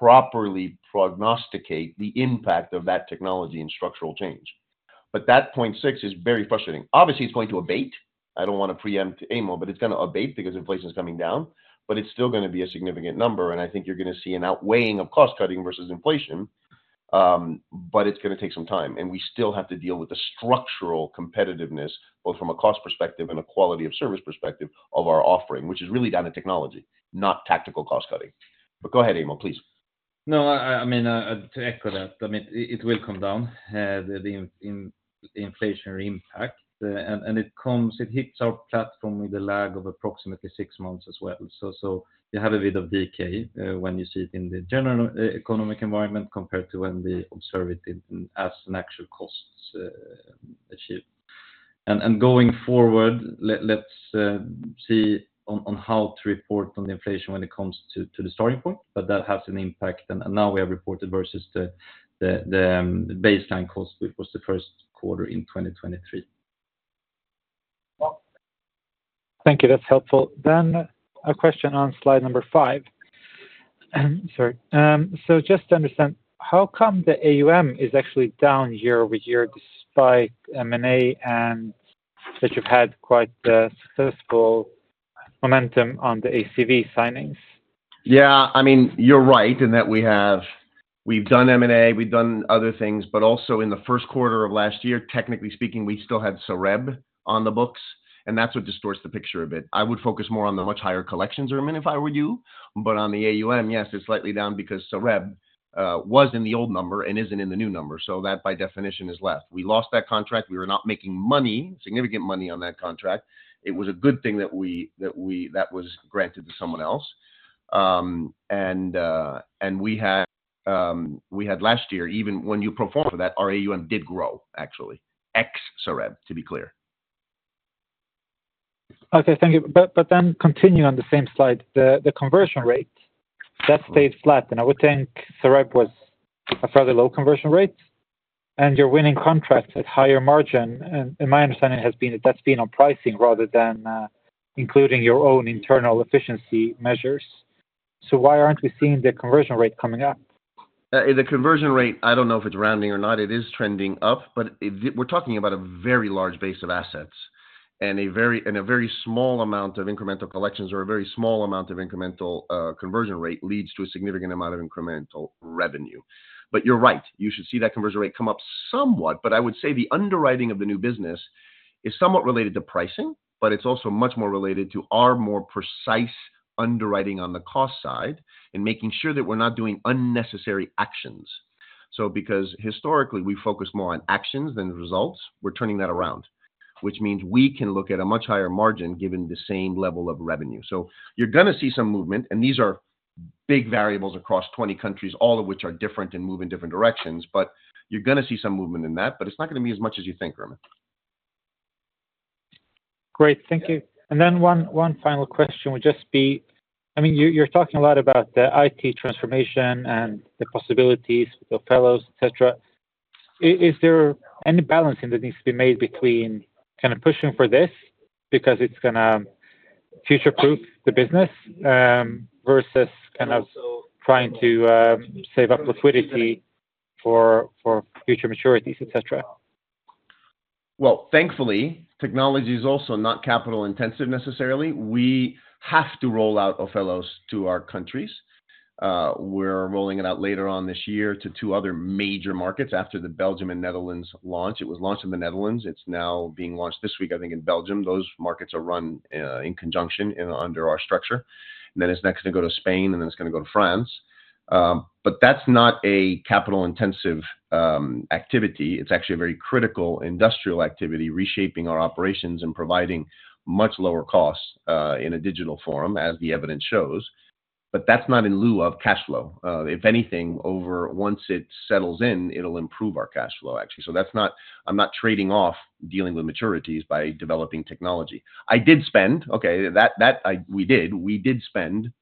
properly prognosticate the impact of that technology and structural change. But that 0.6 is very frustrating. Obviously, it's going to abate. I don't wanna preempt Emil, but it's gonna abate because inflation is coming down, but it's still gonna be a significant number, and I think you're gonna see an outweighing of cost-cutting versus inflation, but it's gonna take some time. And we still have to deal with the structural competitiveness, both from a cost perspective and a quality of service perspective of our offering, which is really down to technology, not tactical cost-cutting. But go ahead, Emil, please. No, I mean, to echo that, I mean, it will come down, the inflationary impact, and it comes, it hits our platform with a lag of approximately six months as well. So you have a bit of decay when you see it in the general economic environment compared to when we observe it in as actual costs achieved. Going forward, let's see how to report on the inflation when it comes to the starting point, but that has an impact. Now we have reported versus the baseline cost, which was the first quarter in 2023. Well, thank you. That's helpful. Then a question on slide number five. Sorry. So just to understand, how come the AUM is actually down year-over-year, despite M&A and that you've had quite successful momentum on the ACV signings? Yeah, I mean, you're right, in that we have. We've done M&A, we've done other things, but also in the first quarter of last year, technically speaking, we still had Sareb on the books, and that's what distorts the picture a bit. I would focus more on the much higher collections, Ermin, if I were you. But on the AUM, yes, it's slightly down because Sareb was in the old number and isn't in the new number, so that, by definition, is less. We lost that contract. We were not making money, significant money on that contract. It was a good thing that that was granted to someone else. And we had last year, even when you pro forma for that, our AUM did grow, actually. Ex-Sareb, to be clear. Okay, thank you. But then continuing on the same slide, the conversion rate that stayed flat, and I would think Sareb was a fairly low conversion rate. And your winning contracts at higher margin, and my understanding has been that that's been on pricing rather than including your own internal efficiency measures. So why aren't we seeing the conversion rate coming up? The conversion rate, I don't know if it's rounding or not, it is trending up, but we're talking about a very large base of assets and a very small amount of incremental collections or a very small amount of incremental conversion rate leads to a significant amount of incremental revenue. But you're right, you should see that conversion rate come up somewhat, but I would say the underwriting of the new business is somewhat related to pricing, but it's also much more related to our more precise underwriting on the cost side and making sure that we're not doing unnecessary actions. So because historically, we focus more on actions than the results, we're turning that around, which means we can look at a much higher margin given the same level of revenue. So you're gonna see some movement, and these are big variables across 20 countries, all of which are different and move in different directions, but you're gonna see some movement in that, but it's not gonna be as much as you think, Ermin. Great, thank you. And then one final question would just be... I mean, you're talking a lot about the IT transformation and the possibilities with Ophelos, et cetera. Is there any balancing that needs to be made between kind of pushing for this because it's gonna future-proof the business, versus kind of trying to save up liquidity for future maturities, et cetera? Well, thankfully, technology is also not capital-intensive, necessarily. We have to roll out Ophelos to our countries. We're rolling it out later on this year to two other major markets after the Belgian and Netherlands launch. It was launched in the Netherlands. It's now being launched this week, I think, in Belgium. Those markets are run in conjunction and under our structure. Then it's next gonna go to Spain, and then it's gonna go to France. But that's not a capital-intensive activity. It's actually a very critical industrial activity, reshaping our operations and providing much lower costs in a digital form, as the evidence shows. But that's not in lieu of cash flow. If anything, once it settles in, it'll improve our cash flow, actually. So that's not. I'm not trading off dealing with maturities by developing technology. We did spend,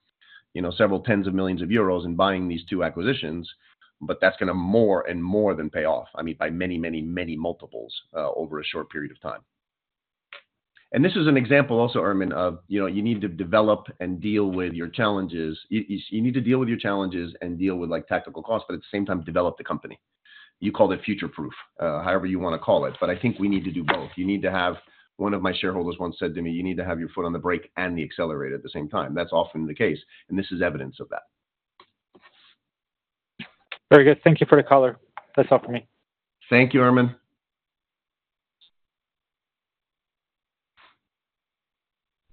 you know, several tens of millions of EUR in buying these two acquisitions, but that's gonna more and more than pay off, I mean, by many, many, many multiples over a short period of time. And this is an example also, Ermin, of, you know, you need to develop and deal with your challenges. You need to deal with your challenges and deal with, like, tactical costs, but at the same time, develop the company. You called it future-proof, however you wanna call it, but I think we need to do both. You need to have... One of my shareholders once said to me: "You need to have your foot on the brake and the accelerator at the same time." That's often the case, and this is evidence of that. Very good. Thank you for the call. That's all for me. Thank you, Ermin.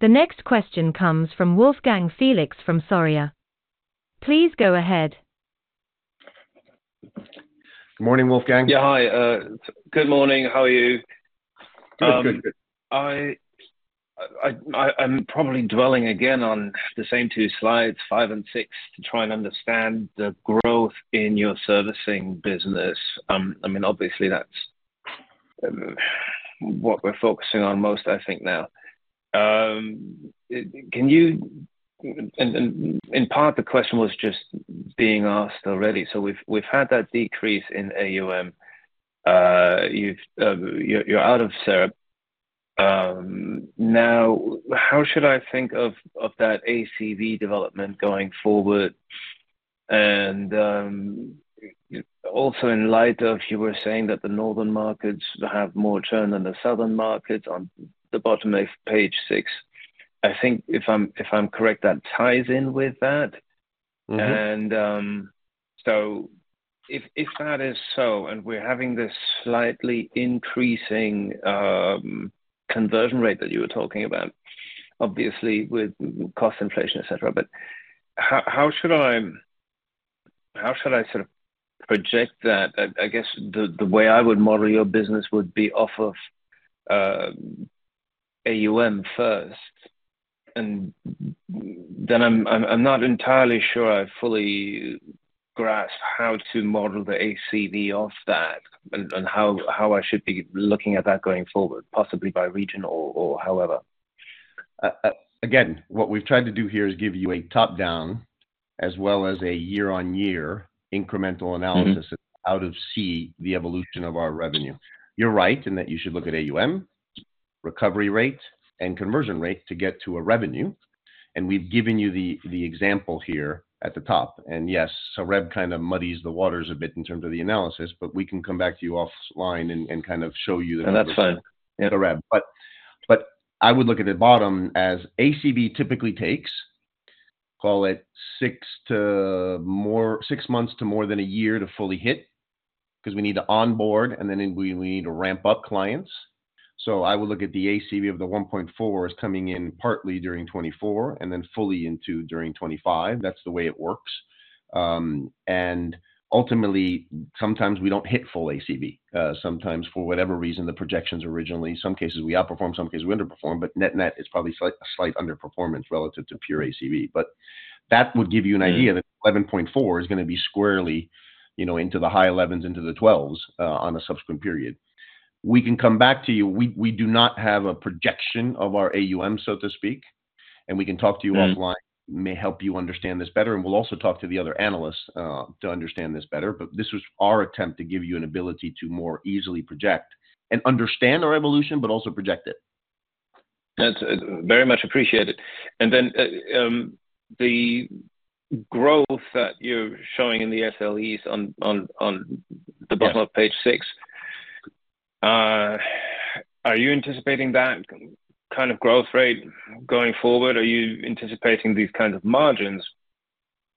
The next question comes from Wolfgang Felix from Sarria. Please go ahead. Good morning, Wolfgang. Yeah, hi. Good morning. How are you? Good. Good. Good. I'm probably dwelling again on the same two slides, 5 and 6, to try and understand the growth in your servicing business. I mean, obviously, that's what we're focusing on most, I think now. Can you... In part, the question was just being asked already. So we've had that decrease in AUM. You've... you're out of Sareb.... now, how should I think of that ACV development going forward? And, also in light of you were saying that the northern markets have more churn than the southern markets on the bottom of page six. I think if I'm correct, that ties in with that. Mm-hmm. And, so if that is so, and we're having this slightly increasing conversion rate that you were talking about, obviously with cost inflation, et cetera, but how should I sort of project that? I guess, the way I would model your business would be off of AUM first, and then I'm not entirely sure I fully grasp how to model the ACV off that and how I should be looking at that going forward, possibly by region or however. Again, what we've tried to do here is give you a top-down as well as a year-on-year incremental analysis- Mm-hmm. Out of see the evolution of our revenue. You're right, in that you should look at AUM, recovery rate, and conversion rate to get to a revenue, and we've given you the example here at the top. And yes, Sareb kind of muddies the waters a bit in terms of the analysis, but we can come back to you offline and kind of show you the- No, that's fine. But I would look at the bottom as ACV typically takes, call it six to more than six months to more than a year to fully hit, because we need to onboard, and then we need to ramp up clients. So I would look at the ACV of the 1.4 as coming in partly during 2024 and then fully into during 2025. That's the way it works. And ultimately, sometimes we don't hit full ACV. Sometimes, for whatever reason, the projections originally, some cases we outperform, some cases we underperform, but net-net is probably slight underperformance relative to pure ACV. But that would give you an idea. Mm. that 11.4 is gonna be squarely, you know, into the high 11s, into the 12s, on a subsequent period. We can come back to you. We, we do not have a projection of our AUM, so to speak, and we can talk to you offline. Mm. may help you understand this better, and we'll also talk to the other analysts, to understand this better. But this was our attempt to give you an ability to more easily project and understand our evolution, but also project it. That's very much appreciated. And then, the growth that you're showing in the SLEs on- Yeah the bottom of page six, are you anticipating that kind of growth rate going forward? Are you anticipating these kinds of margins,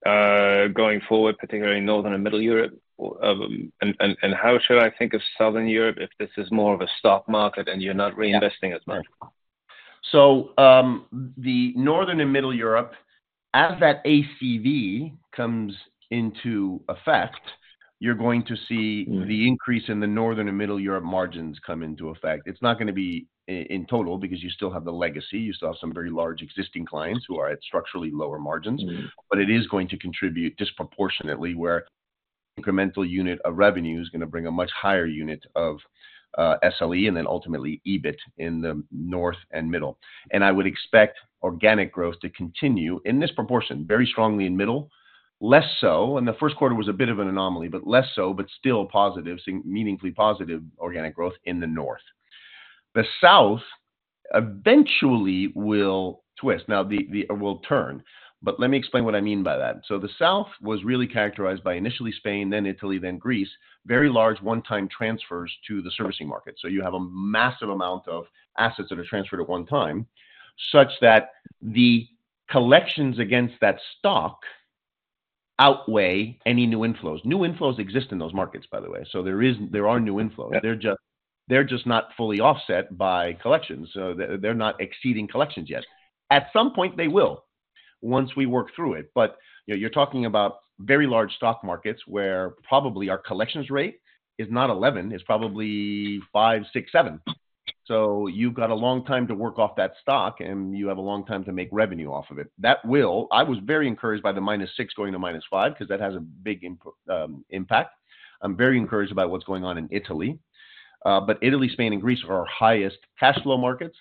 going forward, particularly in Northern and Middle Europe? And how should I think of Southern Europe if this is more of a stock market and you're not reinvesting as much? So, the Northern and Middle Europe, as that ACV comes into effect, you're going to see- Mm The increase in the Northern and Middle Europe margins come into effect. It's not gonna be in total because you still have the legacy. You still have some very large existing clients who are at structurally lower margins. Mm-hmm. But it is going to contribute disproportionately where incremental unit of revenue is gonna bring a much higher unit of SLE and then ultimately EBIT in the North and Middle. And I would expect organic growth to continue in this proportion, very strongly in Middle, less so, and the first quarter was a bit of an anomaly, but less so, but still positive, meaningfully positive organic growth in the North. The South eventually will twist. Now, will turn, but let me explain what I mean by that. So the South was really characterized by initially Spain, then Italy, then Greece, very large one-time transfers to the servicing market. So you have a massive amount of assets that are transferred at one time, such that the collections against that stock outweigh any new inflows. New inflows exist in those markets, by the way, so there is—there are new inflows. Yeah. They're just, they're just not fully offset by collections, so they're not exceeding collections yet. At some point, they will, once we work through it. But, you know, you're talking about very large stock markets, where probably our collections rate is not 11, it's probably 5, 6, 7. So you've got a long time to work off that stock, and you have a long time to make revenue off of it. That will... I was very encouraged by the -6 going to -5 because that has a big impact. I'm very encouraged about what's going on in Italy. But Italy, Spain, and Greece are our highest cash flow markets,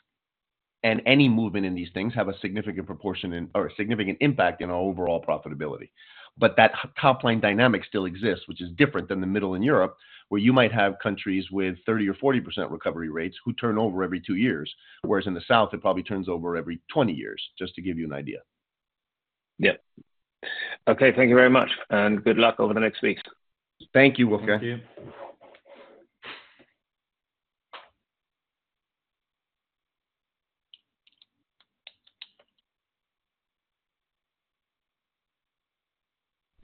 and any movement in these things have a significant proportion or a significant impact in our overall profitability. But that top-line dynamic still exists, which is different than the Middle Europe, where you might have countries with 30% or 40% recovery rates who turn over every 2 years, whereas in the South, it probably turns over every 20 years, just to give you an idea. Yeah. Okay, thank you very much, and good luck over the next weeks. Thank you, Wolfgang. Thank you.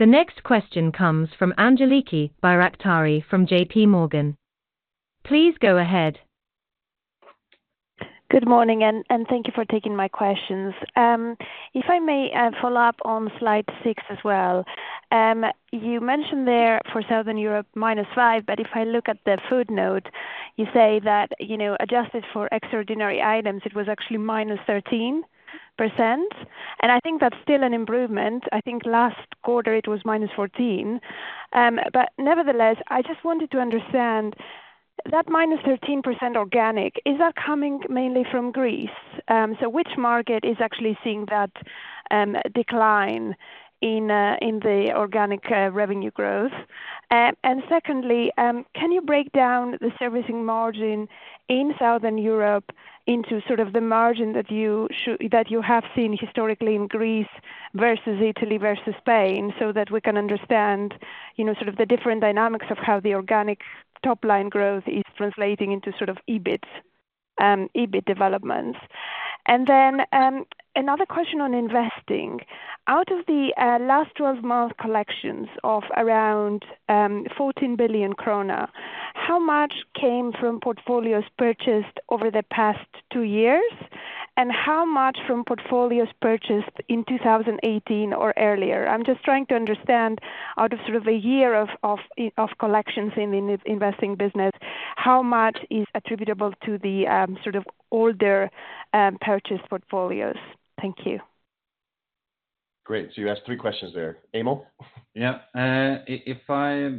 The next question comes from Angeliki Bairaktari from J.P. Morgan. Please go ahead. Good morning, and thank you for taking my questions. If I may, follow up on slide six as well. You mentioned there for Southern Europe, -5, but if I look at the foot note, you say that, you know, adjusted for extraordinary items, it was actually -13%, and I think that's still an improvement. I think last quarter it was -14. But nevertheless, I just wanted to understand. That -13% organic, is that coming mainly from Greece? So which market is actually seeing that decline in the organic revenue growth? And secondly, can you break down the servicing margin in Southern Europe into sort of the margin that you have seen historically in Greece versus Italy versus Spain, so that we can understand, you know, sort of the different dynamics of how the organic top-line growth is translating into sort of EBIT, EBIT developments. And then, another question on investing. Out of the last 12-month collections of around 14 billion krona, how much came from portfolios purchased over the past two years? And how much from portfolios purchased in 2018 or earlier? I'm just trying to understand out of sort of a year of collections in investing business, how much is attributable to the sort of older purchase portfolios? Thank you. Great, so you asked three questions there. Emil? Yeah. If I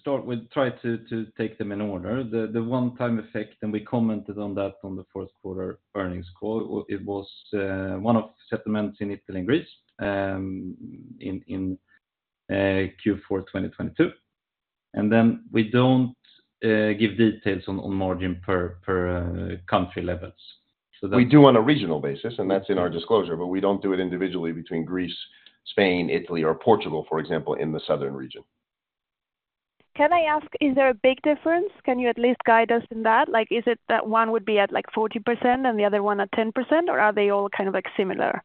start with try to take them in order, the one-time effect, and we commented on that on the first quarter earnings call. It was one of settlements in Italy and Greece, in Q4 2022. And then we don't give details on margin per country levels. So that- We do on a regional basis, and that's in our disclosure, but we don't do it individually between Greece, Spain, Italy, or Portugal, for example, in the southern region. Can I ask, is there a big difference? Can you at least guide us in that? Like, is it that one would be at, like, 40% and the other one at 10%, or are they all kind of, like, similar,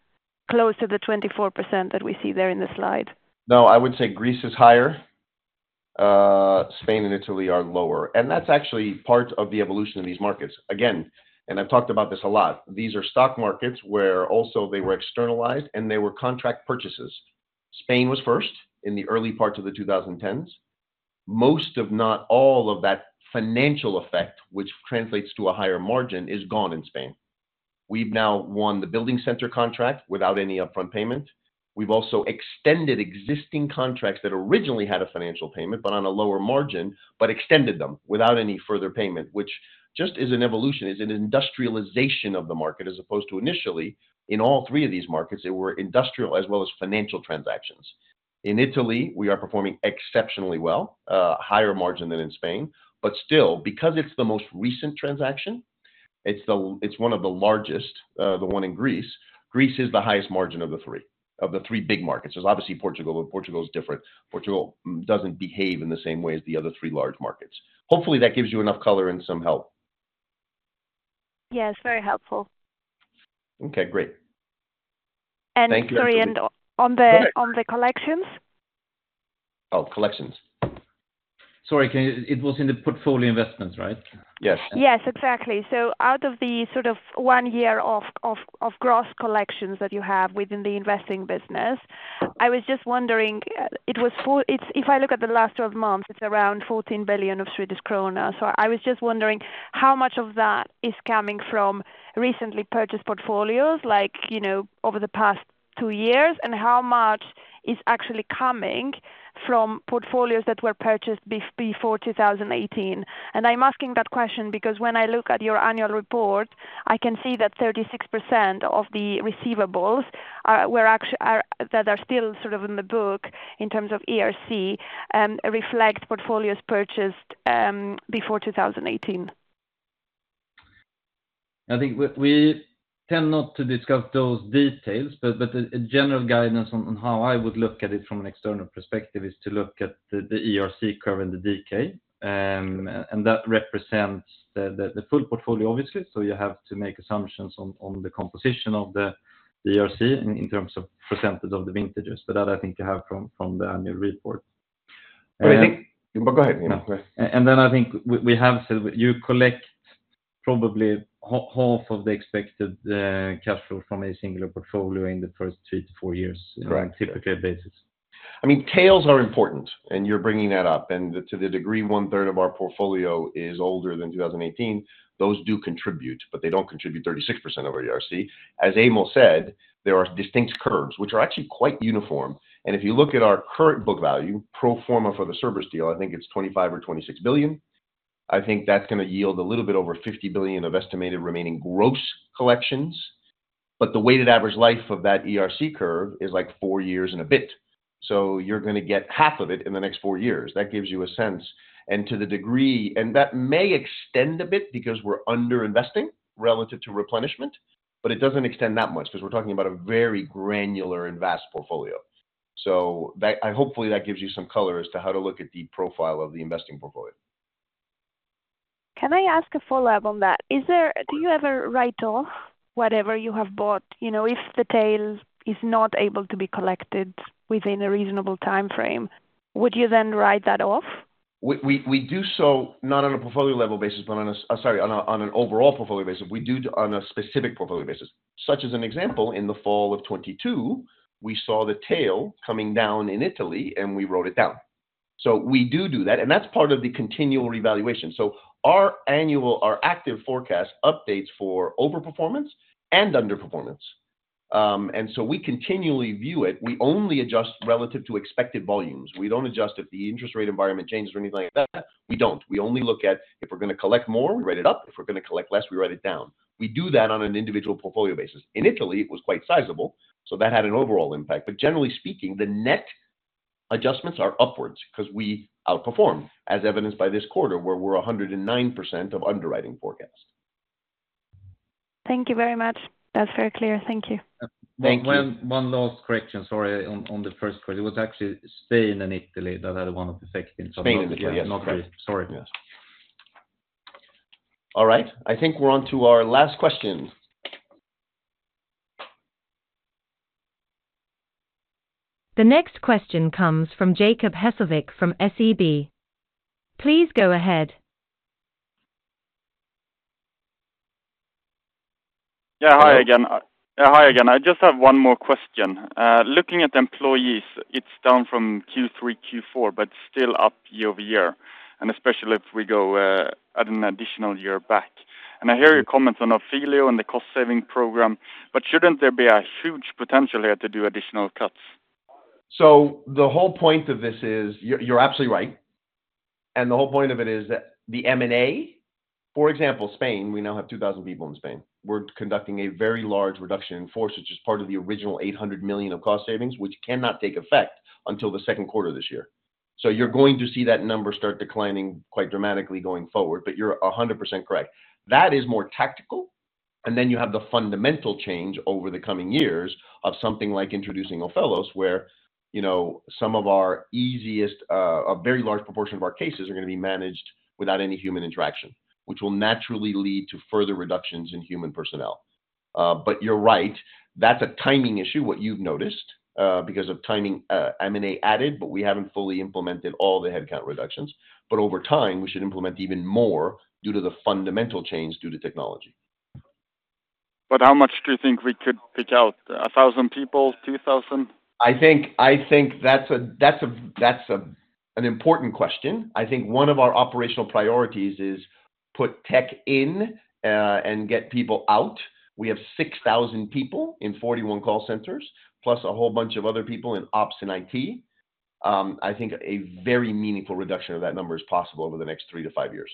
close to the 24% that we see there in the slide? No, I would say Greece is higher. Spain and Italy are lower, and that's actually part of the evolution of these markets. Again, and I've talked about this a lot, these are stock markets where also they were externalized, and they were contract purchases. Spain was first in the early parts of the 2010s. Most, if not all of that financial effect, which translates to a higher margin, is gone in Spain. We've now won the BuildingCenter contract without any upfront payment. We've also extended existing contracts that originally had a financial payment, but on a lower margin, but extended them without any further payment, which just is an evolution, is an industrialization of the market, as opposed to initially, in all three of these markets, they were industrial as well as financial transactions. In Italy, we are performing exceptionally well, higher margin than in Spain, but still, because it's the most recent transaction, it's one of the largest, the one in Greece. Greece is the highest margin of the three, of the three big markets. There's obviously Portugal, but Portugal is different. Portugal doesn't behave in the same way as the other three large markets. Hopefully, that gives you enough color and some help. Yes, very helpful. Okay, great. And- Thank you. Sorry, and on the- Go ahead. On the collections? Oh, collections. Sorry, it was in the portfolio investments, right? Yes. Yes, exactly. So out of the sort of one year of gross collections that you have within the investing business, I was just wondering, if I look at the last 12 months, it's around 14 billion. So I was just wondering, how much of that is coming from recently purchased portfolios, like, you know, over the past two years? And how much is actually coming from portfolios that were purchased before 2018? And I'm asking that question because when I look at your annual report, I can see that 36% of the receivables are that are still sort of in the book, in terms of ERC, reflect portfolios purchased before 2018. I think we tend not to discuss those details, but a general guidance on how I would look at it from an external perspective is to look at the ERC curve and the decay. And that represents the full portfolio, obviously. So you have to make assumptions on the composition of the ERC in terms of percentage of the vintages. But that I think you have from the annual report. And- But I think... Go ahead, Emil, yeah. And then I think we have said, you collect probably half of the expected cash flow from a singular portfolio in the first 3-4 years- Right... typically basis. I mean, tails are important, and you're bringing that up. And the—to the degree, one-third of our portfolio is older than 2018, those do contribute, but they don't contribute 36% of ERC. As Emil said, there are distinct curves which are actually quite uniform. And if you look at our current book value, pro forma for the Cerberus deal, I think it's 25 or 26 billion. I think that's gonna yield a little bit over 50 billion of estimated remaining gross collections, but the weighted average life of that ERC curve is, like, 4 years and a bit. So you're gonna get half of it in the next 4 years. That gives you a sense and to the degree... That may extend a bit because we're under investing relative to replenishment, but it doesn't extend that much because we're talking about a very granular and vast portfolio. So that and hopefully, that gives you some color as to how to look at the profile of the investing portfolio. Can I ask a follow-up on that? Do you ever write off whatever you have bought? You know, if the tail is not able to be collected within a reasonable timeframe, would you then write that off? We do so not on a portfolio level basis, but sorry, on an overall portfolio basis. We do it on a specific portfolio basis. Such as an example, in the fall of 2022, we saw the tail coming down in Italy, and we wrote it down. So we do that, and that's part of the continual revaluation. So our annual, our active forecast updates for overperformance and underperformance. And so we continually view it. We only adjust relative to expected volumes. We don't adjust if the interest rate environment changes or anything like that. We don't. We only look at if we're gonna collect more, we write it up. If we're gonna collect less, we write it down. We do that on an individual portfolio basis. In Italy, it was quite sizable, so that had an overall impact. Generally speaking, the net adjustments are upwards 'cause we outperformed, as evidenced by this quarter, where we're 109% of underwriting forecast. Thank you very much. That's very clear. Thank you. Thank you. Well, one last correction, sorry, on, on the first quarter. It was actually Spain and Italy that had one of the effects- Spain and Italy, yes. Sorry. Yes. All right, I think we're on to our last question. The next question comes from Jacob Hessle from SEB. Please go ahead. Yeah, hi again. Yeah, hi again. I just have one more question. Looking at employees, it's down from Q3, Q4, but still up year over year, and especially if we go, add an additional year back. And I hear your comments on Ophelos and the cost-saving program, but shouldn't there be a huge potential here to do additional cuts? So the whole point of this is... You're, you're absolutely right. The whole point of it is that the M&A, for example, Spain, we now have 2,000 people in Spain. We're conducting a very large reduction in force, which is part of the original 800 million of cost savings, which cannot take effect until the second quarter of this year. So you're going to see that number start declining quite dramatically going forward, but you're 100% correct. That is more tactical, and then you have the fundamental change over the coming years of something like introducing Ophelos, where, you know, some of our easiest, a very large proportion of our cases are gonna be managed without any human interaction, which will naturally lead to further reductions in human personnel. But you're right, that's a timing issue, what you've noticed, because of timing. M&A added, but we haven't fully implemented all the headcount reductions. But over time, we should implement even more due to the fundamental change due to technology. But how much do you think we could pick out? A 1,000 people, 2,000? I think that's an important question. I think one of our operational priorities is put tech in, and get people out. We have 6,000 people in 41 call centers, plus a whole bunch of other people in ops and IT. I think a very meaningful reduction of that number is possible over the next 3-5 years.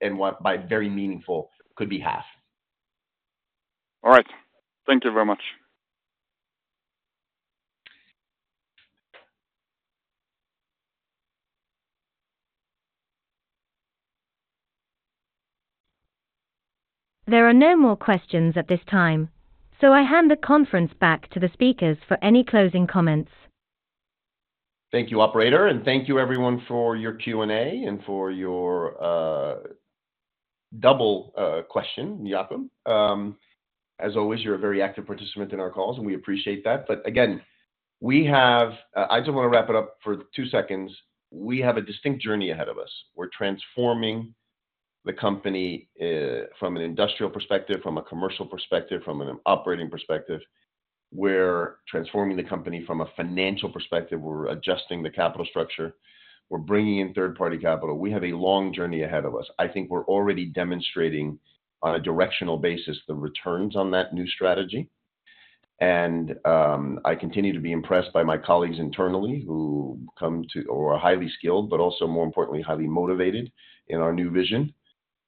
And by very meaningful, could be half. All right. Thank you very much. There are no more questions at this time, so I hand the conference back to the speakers for any closing comments. Thank you, operator, and thank you everyone for your Q&A and for your double question, Jacob. As always, you're a very active participant in our calls, and we appreciate that. But again, we have... I just wanna wrap it up for two seconds. We have a distinct journey ahead of us. We're transforming the company from an industrial perspective, from a commercial perspective, from an operating perspective. We're transforming the company from a financial perspective. We're adjusting the capital structure. We're bringing in third-party capital. We have a long journey ahead of us. I think we're already demonstrating on a directional basis, the returns on that new strategy. And I continue to be impressed by my colleagues internally, who are highly skilled, but also, more importantly, highly motivated in our new vision.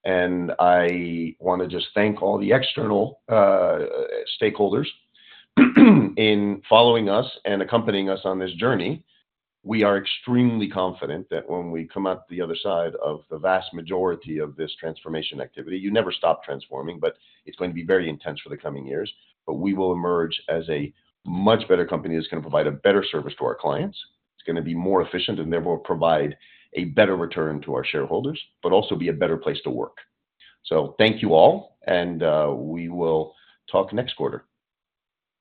I wanna just thank all the external stakeholders in following us and accompanying us on this journey. We are extremely confident that when we come out the other side of the vast majority of this transformation activity, you never stop transforming, but it's going to be very intense for the coming years. But we will emerge as a much better company that's gonna provide a better service to our clients. It's gonna be more efficient and therefore provide a better return to our shareholders, but also be a better place to work. So thank you all, and we will talk next quarter.